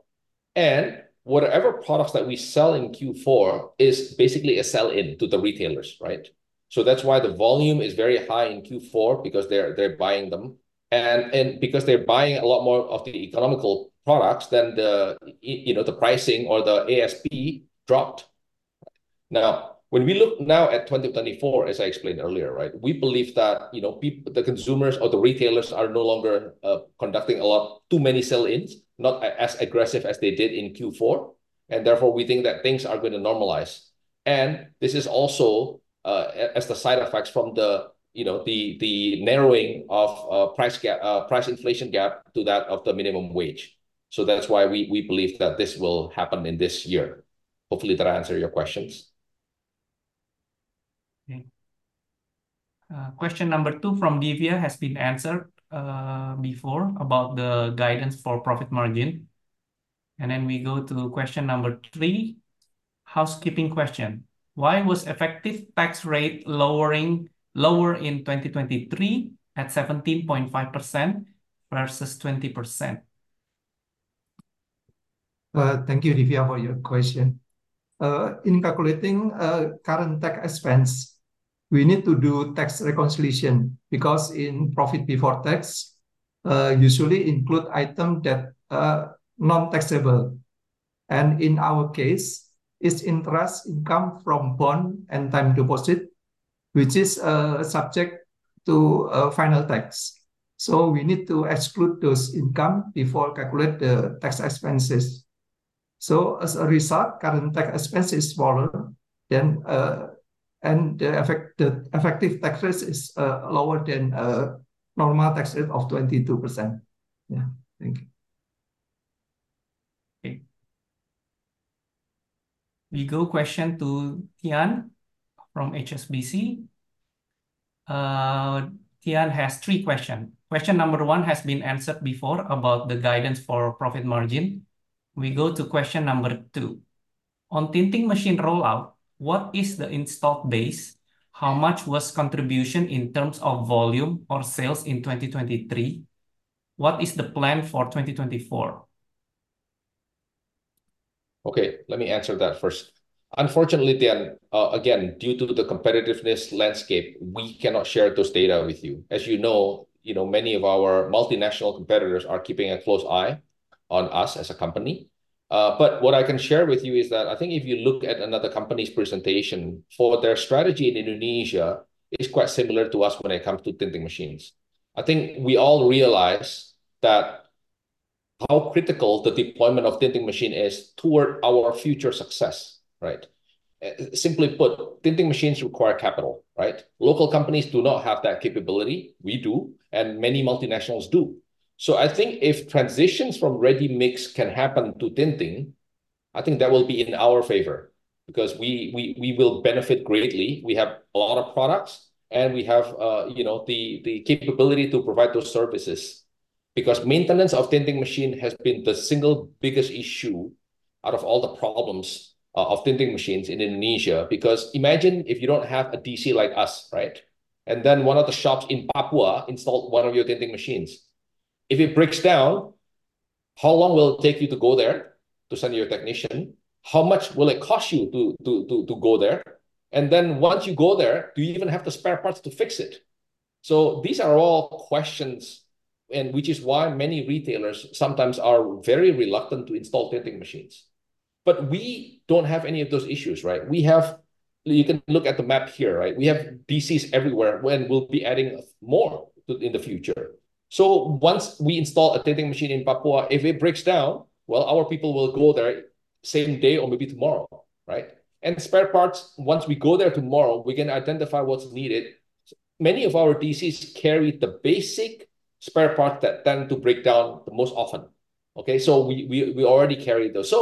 And whatever products that we sell in Q4 is basically a sell-in to the retailers, right? So that's why the volume is very high in Q4, because they're buying them. And because they're buying a lot more of the economical products than the, you know, the pricing or the ASP dropped. Now, when we look now at 2024, as I explained earlier, right, we believe that, you know, the consumers or the retailers are no longer conducting a lot, too many sell-ins, not as aggressive as they did in Q4, and therefore we think that things are gonna normalize. And this is also as the side effects from the, you know, the narrowing of price gap, price inflation gap to that of the minimum wage. So that's why we believe that this will happen in this year. Hopefully that answer your questions. Okay. Question number two from Divya has been answered before, about the guidance for profit margin. And then we go to question number three, housekeeping question: Why was effective tax rate lowering lower in 2023 at 17.5% versus 20%? Thank you, Divya, for your question. In calculating current tax expense, we need to do tax reconciliation, because in profit before tax, usually include item that non-taxable. And in our case, it's interest income from bond and time deposit, which is subject to final tax. So we need to exclude those income before calculate the tax expenses. So as a result, current tax expense is smaller than... And the effective tax rate is lower than normal tax rate of 22%. Yeah. Thank you. Okay. We go question to Tian from HSBC. Tian has three question. Question number one has been answered before about the guidance for profit margin. We go to question number two: On tinting machine rollout, what is the install base? How much was contribution in terms of volume or sales in 2023? What is the plan for 2024? Okay, let me answer that first. Unfortunately, Tian, again, due to the competitive landscape, we cannot share those data with you. As you know, you know, many of our multinational competitors are keeping a close eye on us as a company. But what I can share with you is that I think if you look at another company's presentation for their strategy in Indonesia, it's quite similar to us when it comes to tinting machines. I think we all realize that how critical the deployment of tinting machine is toward our future success, right? Simply put, tinting machines require capital, right? Local companies do not have that capability. We do, and many multinationals do. So I think if transitions from ready-mix can happen to tinting, I think that will be in our favor, because we, we, we will benefit greatly. We have a lot of products, and we have, you know, the capability to provide those services. Because maintenance of tinting machine has been the single biggest issue out of all the problems of tinting machines in Indonesia, because imagine if you don't have a DC like us, right? And then one of the shops in Papua installed one of your tinting machines. If it breaks down, how long will it take you to go there to send your technician? How much will it cost you to go there? And then once you go there, do you even have the spare parts to fix it? So these are all questions, and which is why many retailers sometimes are very reluctant to install tinting machines. But we don't have any of those issues, right? We have... You can look at the map here, right? We have DCs everywhere, and we'll be adding more in the future. So once we install a tinting machine in Papua, if it breaks down, well, our people will go there same day or maybe tomorrow, right? And spare parts, once we go there tomorrow, we can identify what's needed. Many of our DCs carry the basic spare parts that tend to break down the most often. Okay, so we already carry those.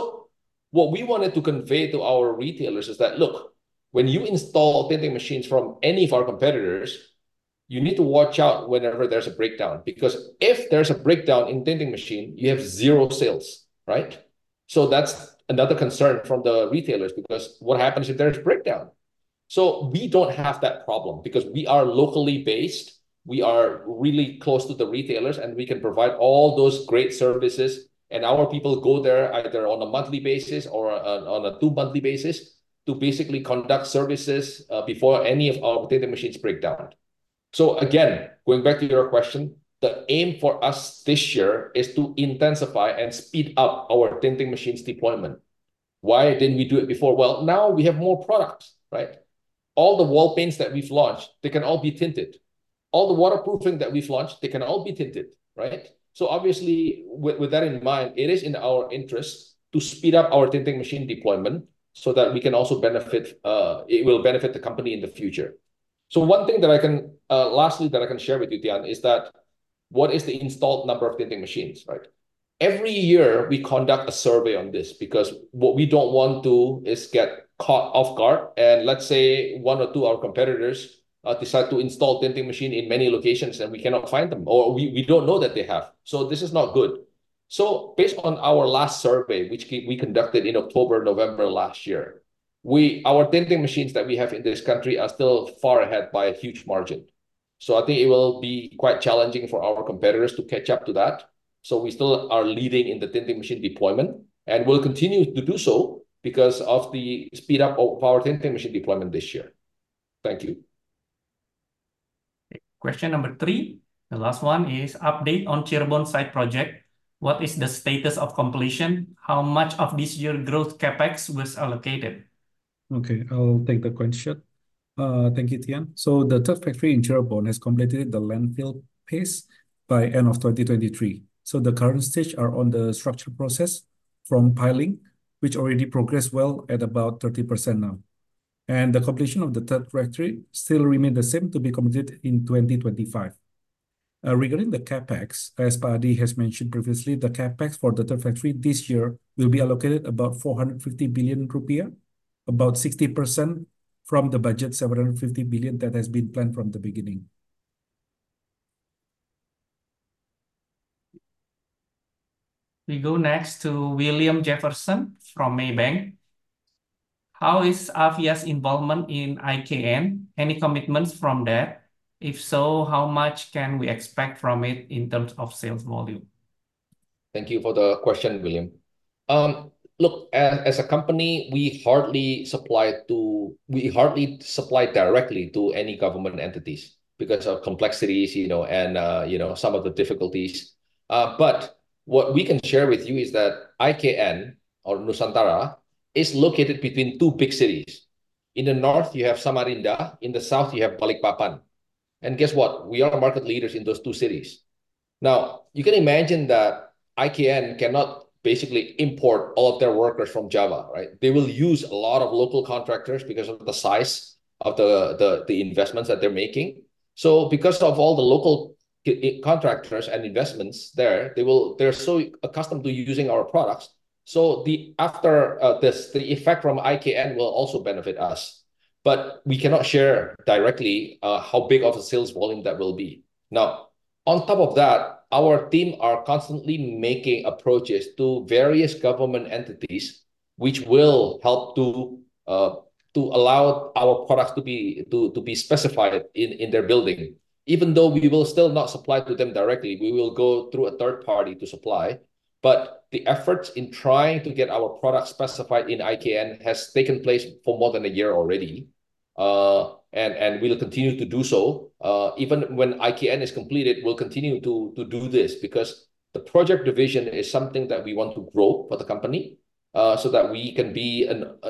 So what we wanted to convey to our retailers is that, look, when you install tinting machines from any of our competitors, you need to watch out whenever there's a breakdown, because if there's a breakdown in tinting machine, you have zero sales, right? So that's another concern from the retailers, because what happens if there's a breakdown? So we don't have that problem, because we are locally based, we are really close to the retailers, and we can provide all those great services. And our people go there either on a monthly basis or on a two-monthly basis to basically conduct services before any of our tinting machines break down. So again, going back to your question, the aim for us this year is to intensify and speed up our tinting machines deployment. Why didn't we do it before? Well, now we have more products, right? All the wall paints that we've launched, they can all be tinted. All the waterproofing that we've launched, they can all be tinted, right? So obviously, with that in mind, it is in our interest to speed up our tinting machine deployment so that we can also benefit; it will benefit the company in the future. So one thing that I can lastly, that I can share with you, Tian, is that what is the installed number of tinting machines, right? Every year we conduct a survey on this, because what we don't want to do is get caught off guard, and let's say one or two of our competitors decide to install tinting machine in many locations and we cannot find them, or we, we don't know that they have. So this is not good. So based on our last survey, which we, we conducted in October, November last year, our tinting machines that we have in this country are still far ahead by a huge margin. So I think it will be quite challenging for our competitors to catch up to that. So we still are leading in the tinting machine deployment, and we'll continue to do so because of the speed up of our tinting machine deployment this year. Thank you. Question number three, the last one, is update on Cirebon site project. What is the status of completion? How much of this year's growth CapEx was allocated? Okay, I'll take the question. Thank you, Tian. So the third factory in Cirebon has completed the landfill phase by end of 2023. So the current stage are on the structure process from piling, which already progressed well at about 30% now. And the completion of the third factory still remain the same, to be completed in 2025. Regarding the CapEx, as Paadi has mentioned previously, the CapEx for the third factory this year will be allocated about 450 billion rupiah, about 60% from the budget, 750 billion, that has been planned from the beginning. We go next to William Jefferson from Maybank. How is Avian's involvement in IKN? Any commitments from there? If so, how much can we expect from it in terms of sales volume? Thank you for the question, William. Look, as a company, we hardly supply directly to any government entities because of complexities, you know, and you know, some of the difficulties. But what we can share with you is that IKN or Nusantara is located between two big cities. In the north, you have Samarinda, in the south, you have Balikpapan. And guess what? We are the market leaders in those two cities. Now, you can imagine that IKN cannot basically import all of their workers from Java, right? They will use a lot of local contractors because of the size of the investments that they're making. So because of all the local contractors and investments there, they're so accustomed to using our products. So after this, the effect from IKN will also benefit us, but we cannot share directly how big of a sales volume that will be. Now, on top of that, our team are constantly making approaches to various government entities, which will help to allow our products to be specified in their building. Even though we will still not supply to them directly, we will go through a third party to supply. But the efforts in trying to get our products specified in IKN has taken place for more than a year already. And we will continue to do so. Even when IKN is completed, we'll continue to do this, because the project division is something that we want to grow for the company, so that we can be,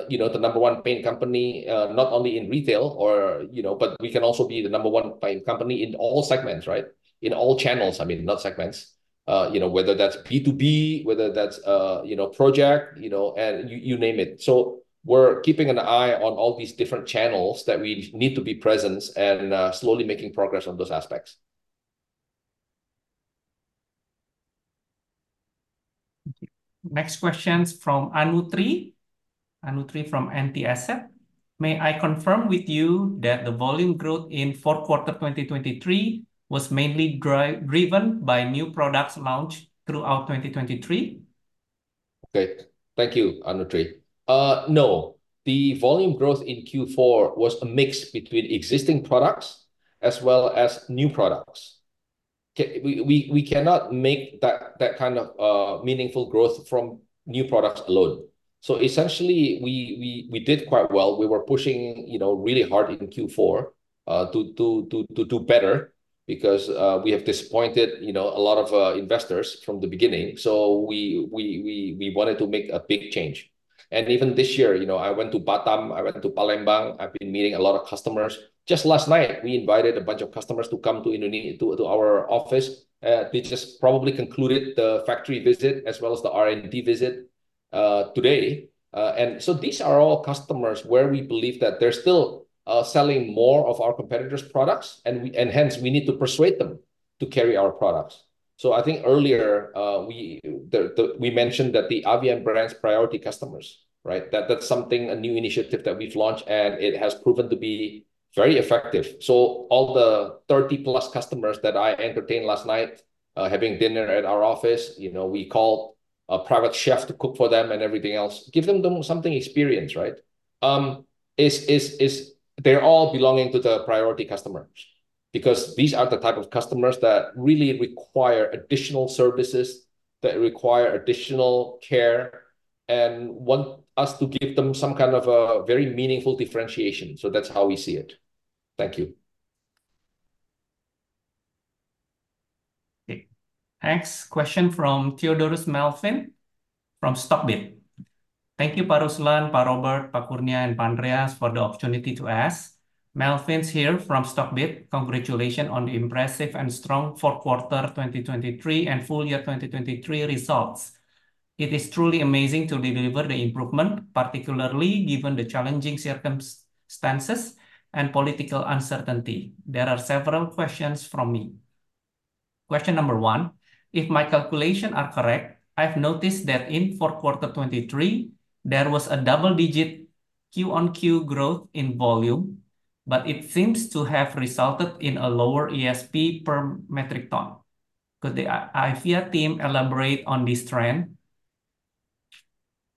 you know, the number one paint company, not only in retail or, you know, but we can also be the number one paint company in all segments, right? In all channels, I mean, not segments. You know, whether that's B2B, whether that's, you know, project, you know, and you name it. So we're keeping an eye on all these different channels that we need to be present and, slowly making progress on those aspects. Next question's from Anutri. Anutri from NT Asset. May I confirm with you that the volume growth in fourth quarter 2023 was mainly driven by new products launched throughout 2023? Okay, thank you, Anutri. No, the volume growth in Q4 was a mix between existing products as well as new products. Okay, we cannot make that kind of meaningful growth from new products alone. So essentially, we did quite well. We were pushing, you know, really hard in Q4 to do better because we have disappointed, you know, a lot of investors from the beginning. So we wanted to make a big change. And even this year, you know, I went to Batam, I went to Palembang. I've been meeting a lot of customers. Just last night, we invited a bunch of customers to come to our office. They just probably concluded the factory visit as well as the R&D visit today. And so these are all customers where we believe that they're still selling more of our competitors' products, and hence, we need to persuade them to carry our products. So I think earlier, we mentioned that the Avian Brands priority customers, right? That's something, a new initiative that we've launched, and it has proven to be very effective. So all the 30-plus customers that I entertained last night, having dinner at our office, you know, we called a private chef to cook for them and everything else, give them something experience, right? They're all belonging to the priority customers because these are the type of customers that really require additional services, that require additional care, and want us to give them some kind of a very meaningful differentiation. So that's how we see it. Thank you. Okay. Next question from Theodorus Melvin from Stockbit. Thank you, Ruslan, Robert, Kurnia, and Andreas, for the opportunity to ask. Melvin's here from Stockbit. Congratulations on the impressive and strong fourth quarter 2023 and full year 2023 results. It is truly amazing to deliver the improvement, particularly given the challenging circumstances and political uncertainty. There are several questions from me. Question number one: If my calculation are correct, I've noticed that in fourth quarter 2023, there was a double-digit Q-on-Q growth in volume, but it seems to have resulted in a lower ASP per metric ton. Could the Avia team elaborate on this trend?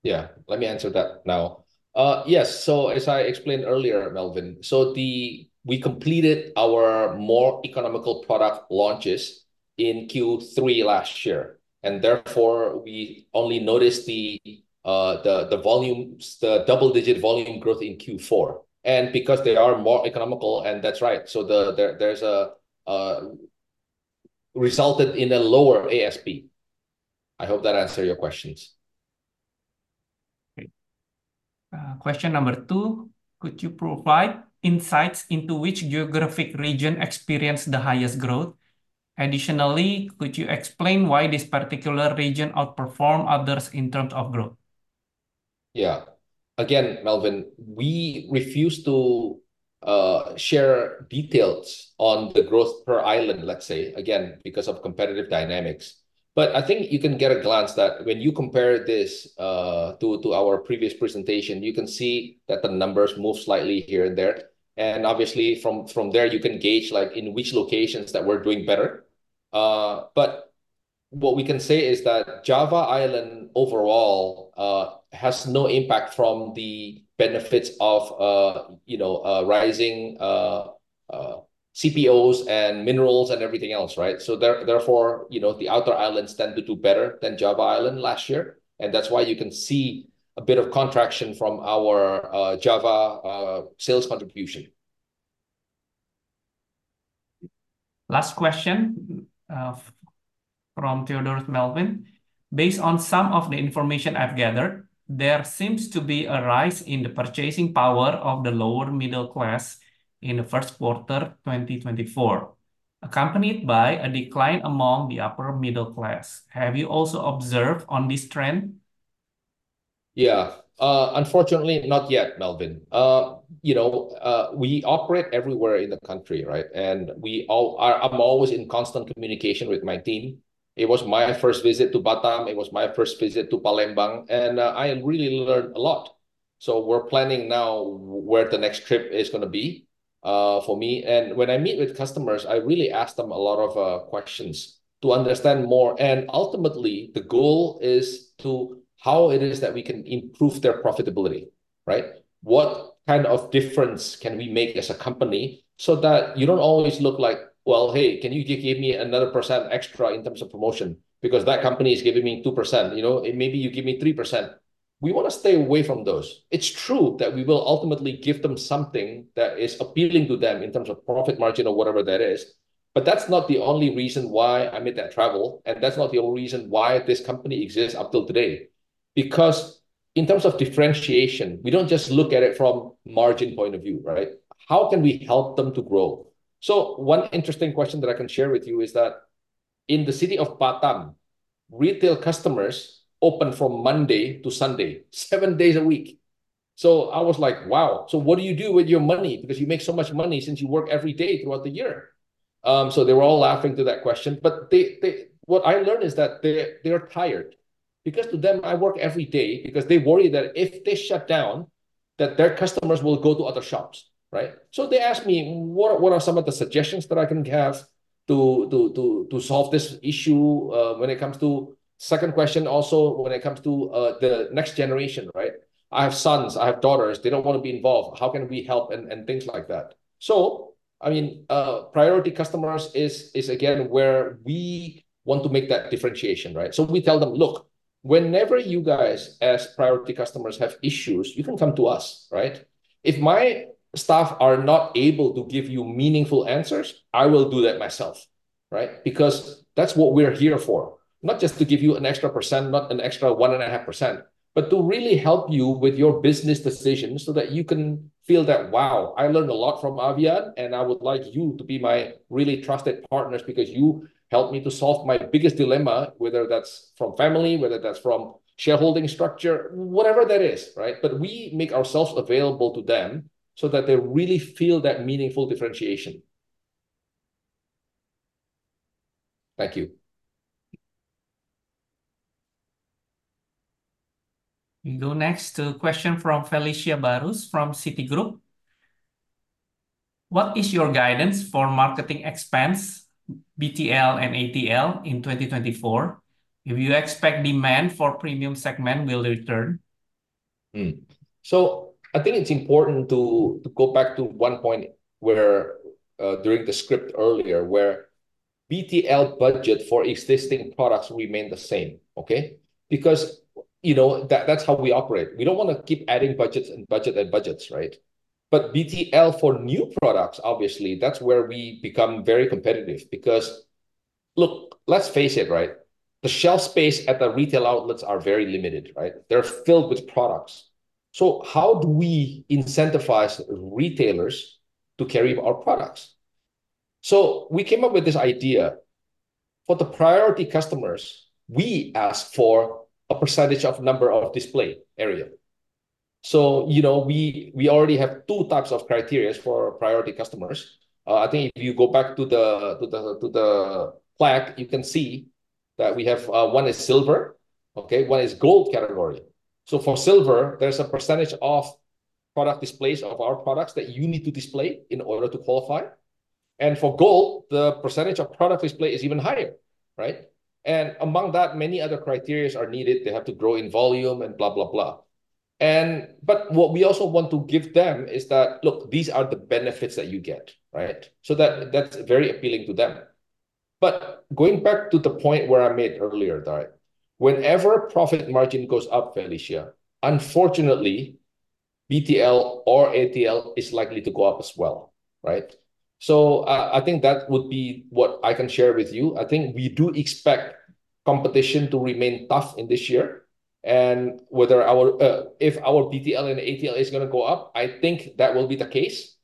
Yeah, let me answer that now. Yes, so as I explained earlier, Melvin, we completed our more economical product launches in Q3 last year, and therefore, we only noticed the volumes, the double-digit volume growth in Q4, and because they are more economical, and that's right. So, that resulted in a lower ASP. I hope that answer your questions. Great. Question number two: Could you provide insights into which geographic region experienced the highest growth? Additionally, could you explain why this particular region outperformed others in terms of growth? Yeah. Again, Melvin, we refuse to share details on the growth per island, let's say, again, because of competitive dynamics. But I think you can get a glance that when you compare this to our previous presentation, you can see that the numbers move slightly here and there. And obviously, from there, you can gauge, like, in which locations that we're doing better. But what we can say is that Java Island, overall, has no impact from the benefits of, you know, rising CPOs and minerals and everything else, right? So therefore, you know, the outer islands tend to do better than Java Island last year, and that's why you can see a bit of contraction from our Java sales contribution. Last question from Theodorus Melvin. Based on some of the information I've gathered, there seems to be a rise in the purchasing power of the lower middle class in the first quarter 2024, accompanied by a decline among the upper middle class. Have you also observed on this trend? Yeah. Unfortunately, not yet, Melvin. You know, we operate everywhere in the country, right? And I'm always in constant communication with my team. It was my first visit to Batam, it was my first visit to Palembang, and I really learned a lot. So we're planning now where the next trip is gonna be, for me. And when I meet with customers, I really ask them a lot of questions to understand more, and ultimately, the goal is to how it is that we can improve their profitability, right? What kind of difference can we make as a company so that you don't always look like, "Well, hey, can you give me another percent extra in terms of promotion? Because that company is giving me 2%, you know, and maybe you give me 3%." We wanna stay away from those. It's true that we will ultimately give them something that is appealing to them in terms of profit margin or whatever that is, but that's not the only reason why I made that travel, and that's not the only reason why this company exists up till today. Because in terms of differentiation, we don't just look at it from margin point of view, right? How can we help them to grow? So one interesting question that I can share with you is that in the city of Batam, retail customers open from Monday to Sunday, seven days a week. So I was like, "Wow, so what do you do with your money? Because you make so much money since you work every day throughout the year."... So they were all laughing to that question, but they—what I learned is that they are tired. Because to them, I work every day, because they worry that if they shut down, that their customers will go to other shops, right? So they ask me, "What are some of the suggestions that I can have to solve this issue?" When it comes to the second question also, when it comes to the next generation, right? "I have sons, I have daughters, they don't wanna be involved. How can we help?" And things like that. So I mean, priority customers is again where we want to make that differentiation, right? So we tell them, "Look, whenever you guys, as priority customers, have issues, you can come to us, right? If my staff are not able to give you meaningful answers, I will do that myself, right? Because that's what we're here for. Not just to give you an extra 1%, not an extra 1.5%, but to really help you with your business decisions so that you can feel that, wow, I learned a lot from Avian, and I would like you to be my really trusted partners because you helped me to solve my biggest dilemma," whether that's from family, whether that's from shareholding structure, whatever that is, right? But we make ourselves available to them so that they really feel that meaningful differentiation. Thank you. We go next to a question from Felicia Barus, from Citigroup. What is your guidance for marketing expense, BTL and ATL, in 2024? If you expect demand for premium segment will return? So I think it's important to go back to one point where during the script earlier, where BTL budget for existing products remain the same. Okay? Because, you know, that's how we operate. We don't wanna keep adding budgets, and budget, and budgets, right? But BTL for new products, obviously, that's where we become very competitive. Because, look, let's face it, right, the shelf space at the retail outlets are very limited, right? They're filled with products. So how do we incentivize retailers to carry our products? So we came up with this idea. For the priority customers, we ask for a percentage of number of display area. So, you know, we already have two types of criterias for priority customers. I think if you go back to the flag, you can see that we have one is silver, okay, one is gold category. So for silver, there's a percentage of product displays of our products that you need to display in order to qualify, and for gold, the percentage of product display is even higher, right? And among that, many other criteria are needed. They have to grow in volume, and blah, blah, blah. But what we also want to give them is that, "Look, these are the benefits that you get," right? So that's very appealing to them. But going back to the point where I made earlier, Darrek, whenever profit margin goes up, Felicia, unfortunately, BTL or ATL is likely to go up as well, right? So I think that would be what I can share with you. I think we do expect competition to remain tough in this year, and whether our, if our BTL and ATL is gonna go up, I think that will be the case,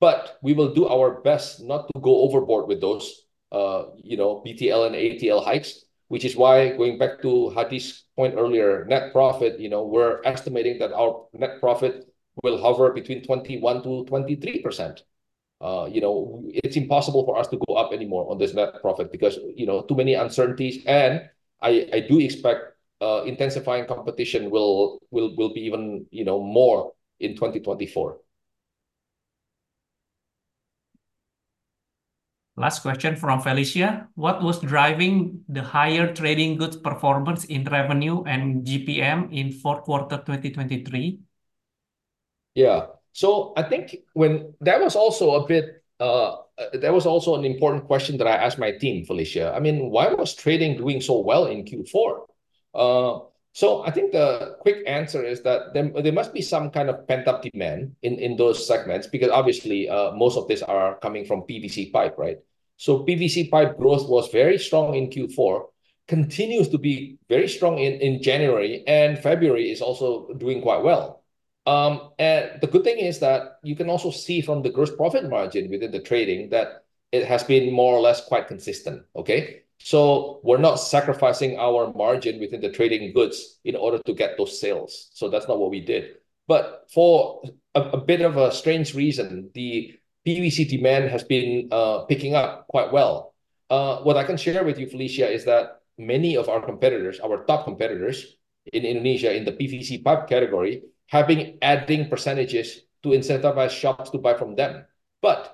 but we will do our best not to go overboard with those, you know, BTL and ATL hikes. Which is why, going back to Hadi's point earlier, net profit, you know, we're estimating that our net profit will hover between 21%-23%. You know, it's impossible for us to go up anymore on this net profit because, you know, too many uncertainties, and I do expect, intensifying competition will be even, you know more, in 2024. Last question from Felicia: What was driving the higher trading goods performance in revenue and GPM in fourth quarter 2023? Yeah. So I think that was also a bit, that was also an important question that I asked my team, Felicia. I mean, why was trading doing so well in Q4? So I think the quick answer is that there must be some kind of pent-up demand in those segments, because obviously, most of these are coming from PVC pipe, right? So PVC pipe growth was very strong in Q4, continues to be very strong in January, and February is also doing quite well. And the good thing is that you can also see from the gross profit margin within the trading, that it has been more or less quite consistent, okay? So we're not sacrificing our margin within the trading goods in order to get those sales. So that's not what we did. But for a bit of a strange reason, the PVC demand has been picking up quite well. What I can share with you, Felicia, is that many of our competitors, our top competitors in Indonesia in the PVC pipe category, have been adding percentages to incentivize shops to buy from them. But,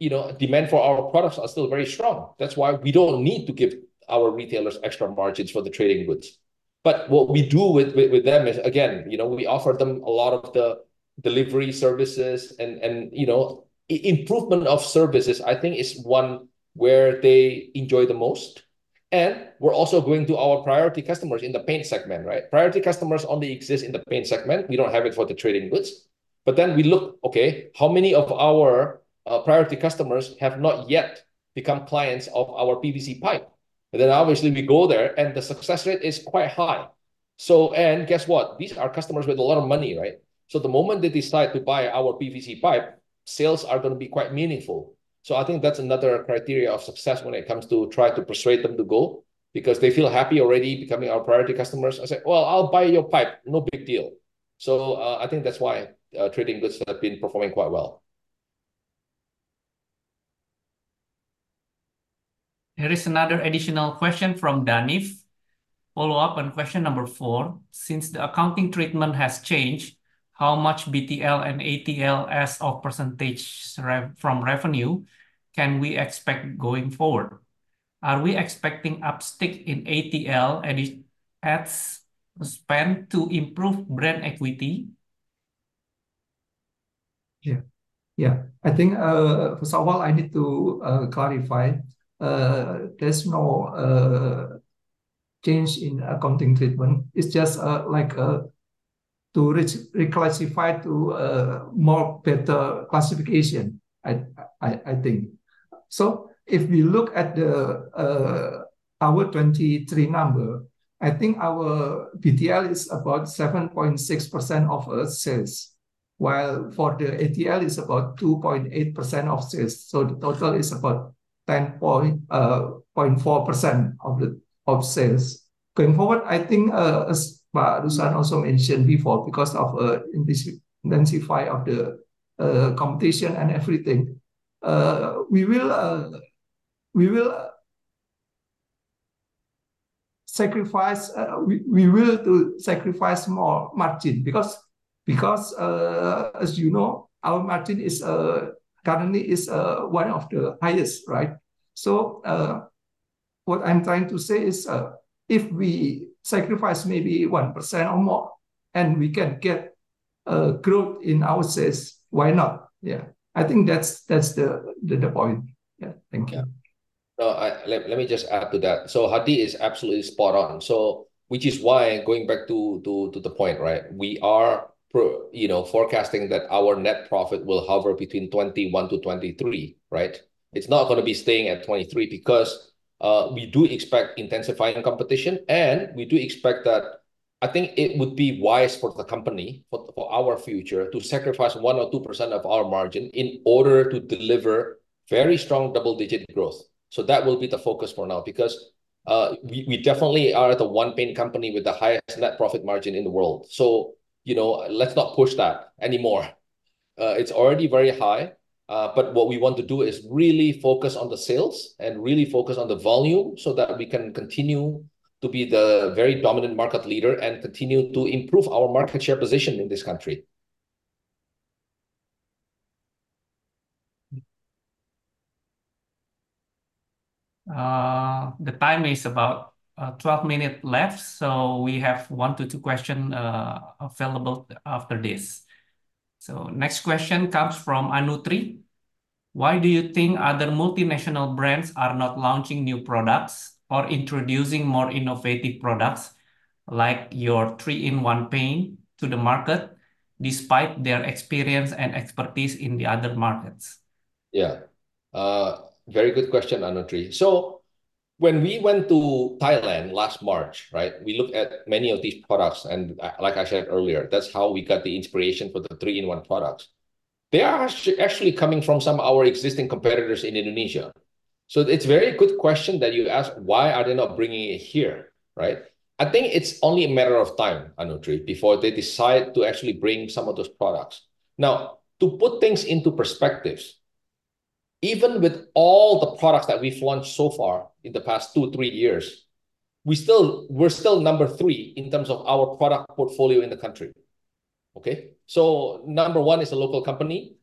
you know, demand for our products are still very strong. That's why we don't need to give our retailers extra margins for the trading goods. But what we do with them is, again, you know, we offer them a lot of the delivery services and, you know, improvement of services, I think, is one where they enjoy the most. And we're also going to our priority customers in the paint segment, right? Priority customers only exist in the paint segment. We don't have it for the trading goods. But then we look, okay, how many of our priority customers have not yet become clients of our PVC pipe? And then obviously, we go there, and the success rate is quite high. So and guess what? These are customers with a lot of money, right? So the moment they decide to buy our PVC pipe, sales are gonna be quite meaningful. So I think that's another criteria of success when it comes to try to persuade them to go, because they feel happy already becoming our priority customers, and say, "Well, I'll buy your pipe, no big deal." So, I think that's why, trading goods have been performing quite well. There is another additional question from Danif. Follow-up on question number four: Since the accounting treatment has changed, how much BTL and ATL as a percentage from revenue can we expect going forward? Are we expecting uptick in ATL, any ad spend to improve brand equity? Yeah. Yeah, I think, first of all, I need to clarify, there's no change in accounting treatment. It's just, like, to reclassify to more better classification, I think. So if we look at our 2023 number, I think our BTL is about 7.6% of our sales, while for the ATL is about 2.8% of sales. So the total is about 10.4% of sales. Going forward, I think, as Ruslan also mentioned before, because of intensification of the competition and everything, we will sacrifice more margin. Because, as you know, our margin is currently one of the highest, right? So, what I'm trying to say is, if we sacrifice maybe 1% or more, and we can get growth in our sales, why not? Yeah. I think that's, that's the point. Yeah. Thank you. Yeah. So let me just add to that. So Hadi is absolutely spot on. So which is why, going back to the point, right? We are, you know, forecasting that our net profit will hover between 21-23, right? It's not gonna be staying at 23 because we do expect intensifying competition, and we do expect that. I think it would be wise for the company, for our future, to sacrifice 1 or 2% of our margin in order to deliver very strong double-digit growth. So that will be the focus for now, because we definitely are the one paint company with the highest net profit margin in the world. So, you know, let's not push that anymore. It's already very high, but what we want to do is really focus on the sales and really focus on the volume, so that we can continue to be the very dominant market leader and continue to improve our market share position in this country. The time is about 12 minutes left, so we have 1-2 questions available after this. Next question comes from Anutri: Why do you think other multinational brands are not launching new products or introducing more innovative products, like your 3-in-1 paint, to the market, despite their experience and expertise in the other markets? Yeah, very good question, Anutri. So when we went to Thailand last March, right, we looked at many of these products, and, like I said earlier, that's how we got the inspiration for the three-in-one products. They are actually, actually coming from some of our existing competitors in Indonesia. So it's a very good question that you ask, why are they not bringing it here, right? I think it's only a matter of time, Anutri, before they decide to actually bring some of those products. Now, to put things into perspectives, even with all the products that we've launched so far in the past two, three years, we're still number three in terms of our product portfolio in the country, okay? So number one is a local company,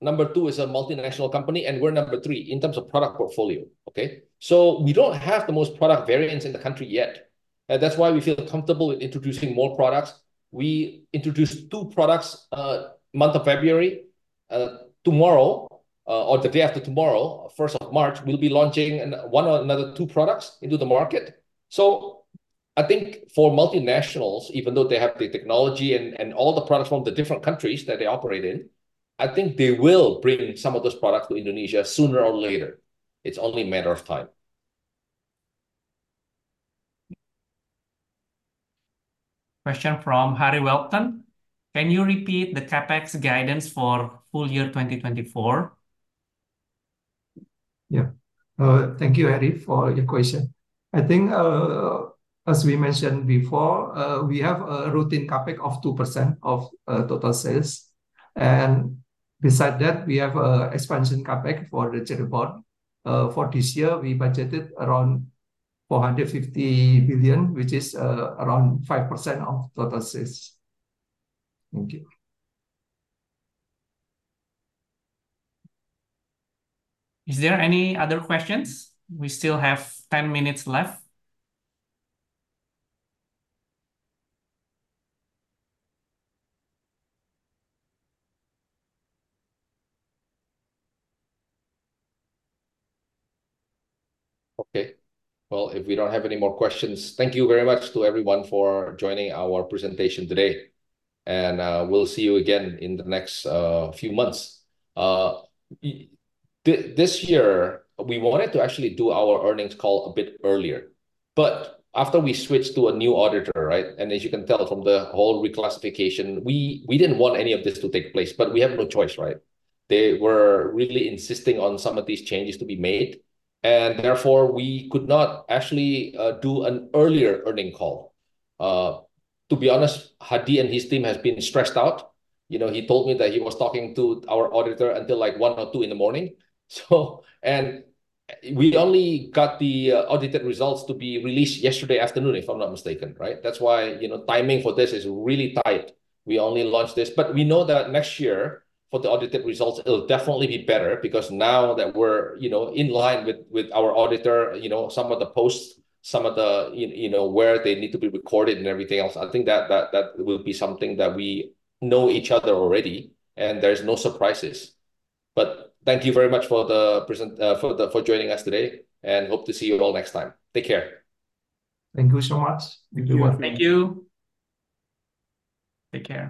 number two is a multinational company, and we're number three in terms of product portfolio, okay? So we don't have the most product variants in the country yet, and that's why we feel comfortable with introducing more products. We introduced two products, month of February. Tomorrow, or the day after tomorrow, 1st of March, we'll be launching one or another two products into the market. So I think for multinationals, even though they have the technology and all the products from the different countries that they operate in, I think they will bring some of those products to Indonesia sooner or later. It's only a matter of time. Question from Harry Welton: Can you repeat the CapEx guidance for full year 2024? Yeah. Thank you, Harry, for your question. I think, as we mentioned before, we have a routine CapEx of 2% of total sales. And beside that, we have a expansion CapEx for the Cirebon. For this year, we budgeted around 450 billion, which is around 5% of total sales. Thank you. Is there any other questions? We still have 10 minutes left. Okay, well, if we don't have any more questions, thank you very much to everyone for joining our presentation today, and we'll see you again in the next few months. This year, we wanted to actually do our earnings call a bit earlier, but after we switched to a new auditor, right? And as you can tell from the whole reclassification, we didn't want any of this to take place, but we had no choice, right? They were really insisting on some of these changes to be made, and therefore, we could not actually do an earlier earnings call. To be honest, Hadi and his team have been stressed out. You know, he told me that he was talking to our auditor until, like, 1:00AM or 2:00AM. We only got the audited results to be released yesterday afternoon, if I'm not mistaken, right? That's why, you know, timing for this is really tight. We only launched this... But we know that next year, for the audited results, it'll definitely be better because now that we're, you know, in line with our auditor, you know, some of the postings, you know, where they need to be recorded and everything else, I think that that will be something that we know each other already, and there's no surprises. But thank you very much for the presentation, for joining us today, and hope to see you all next time. Take care. Thank you so much. Thank you. Thank you. Take care.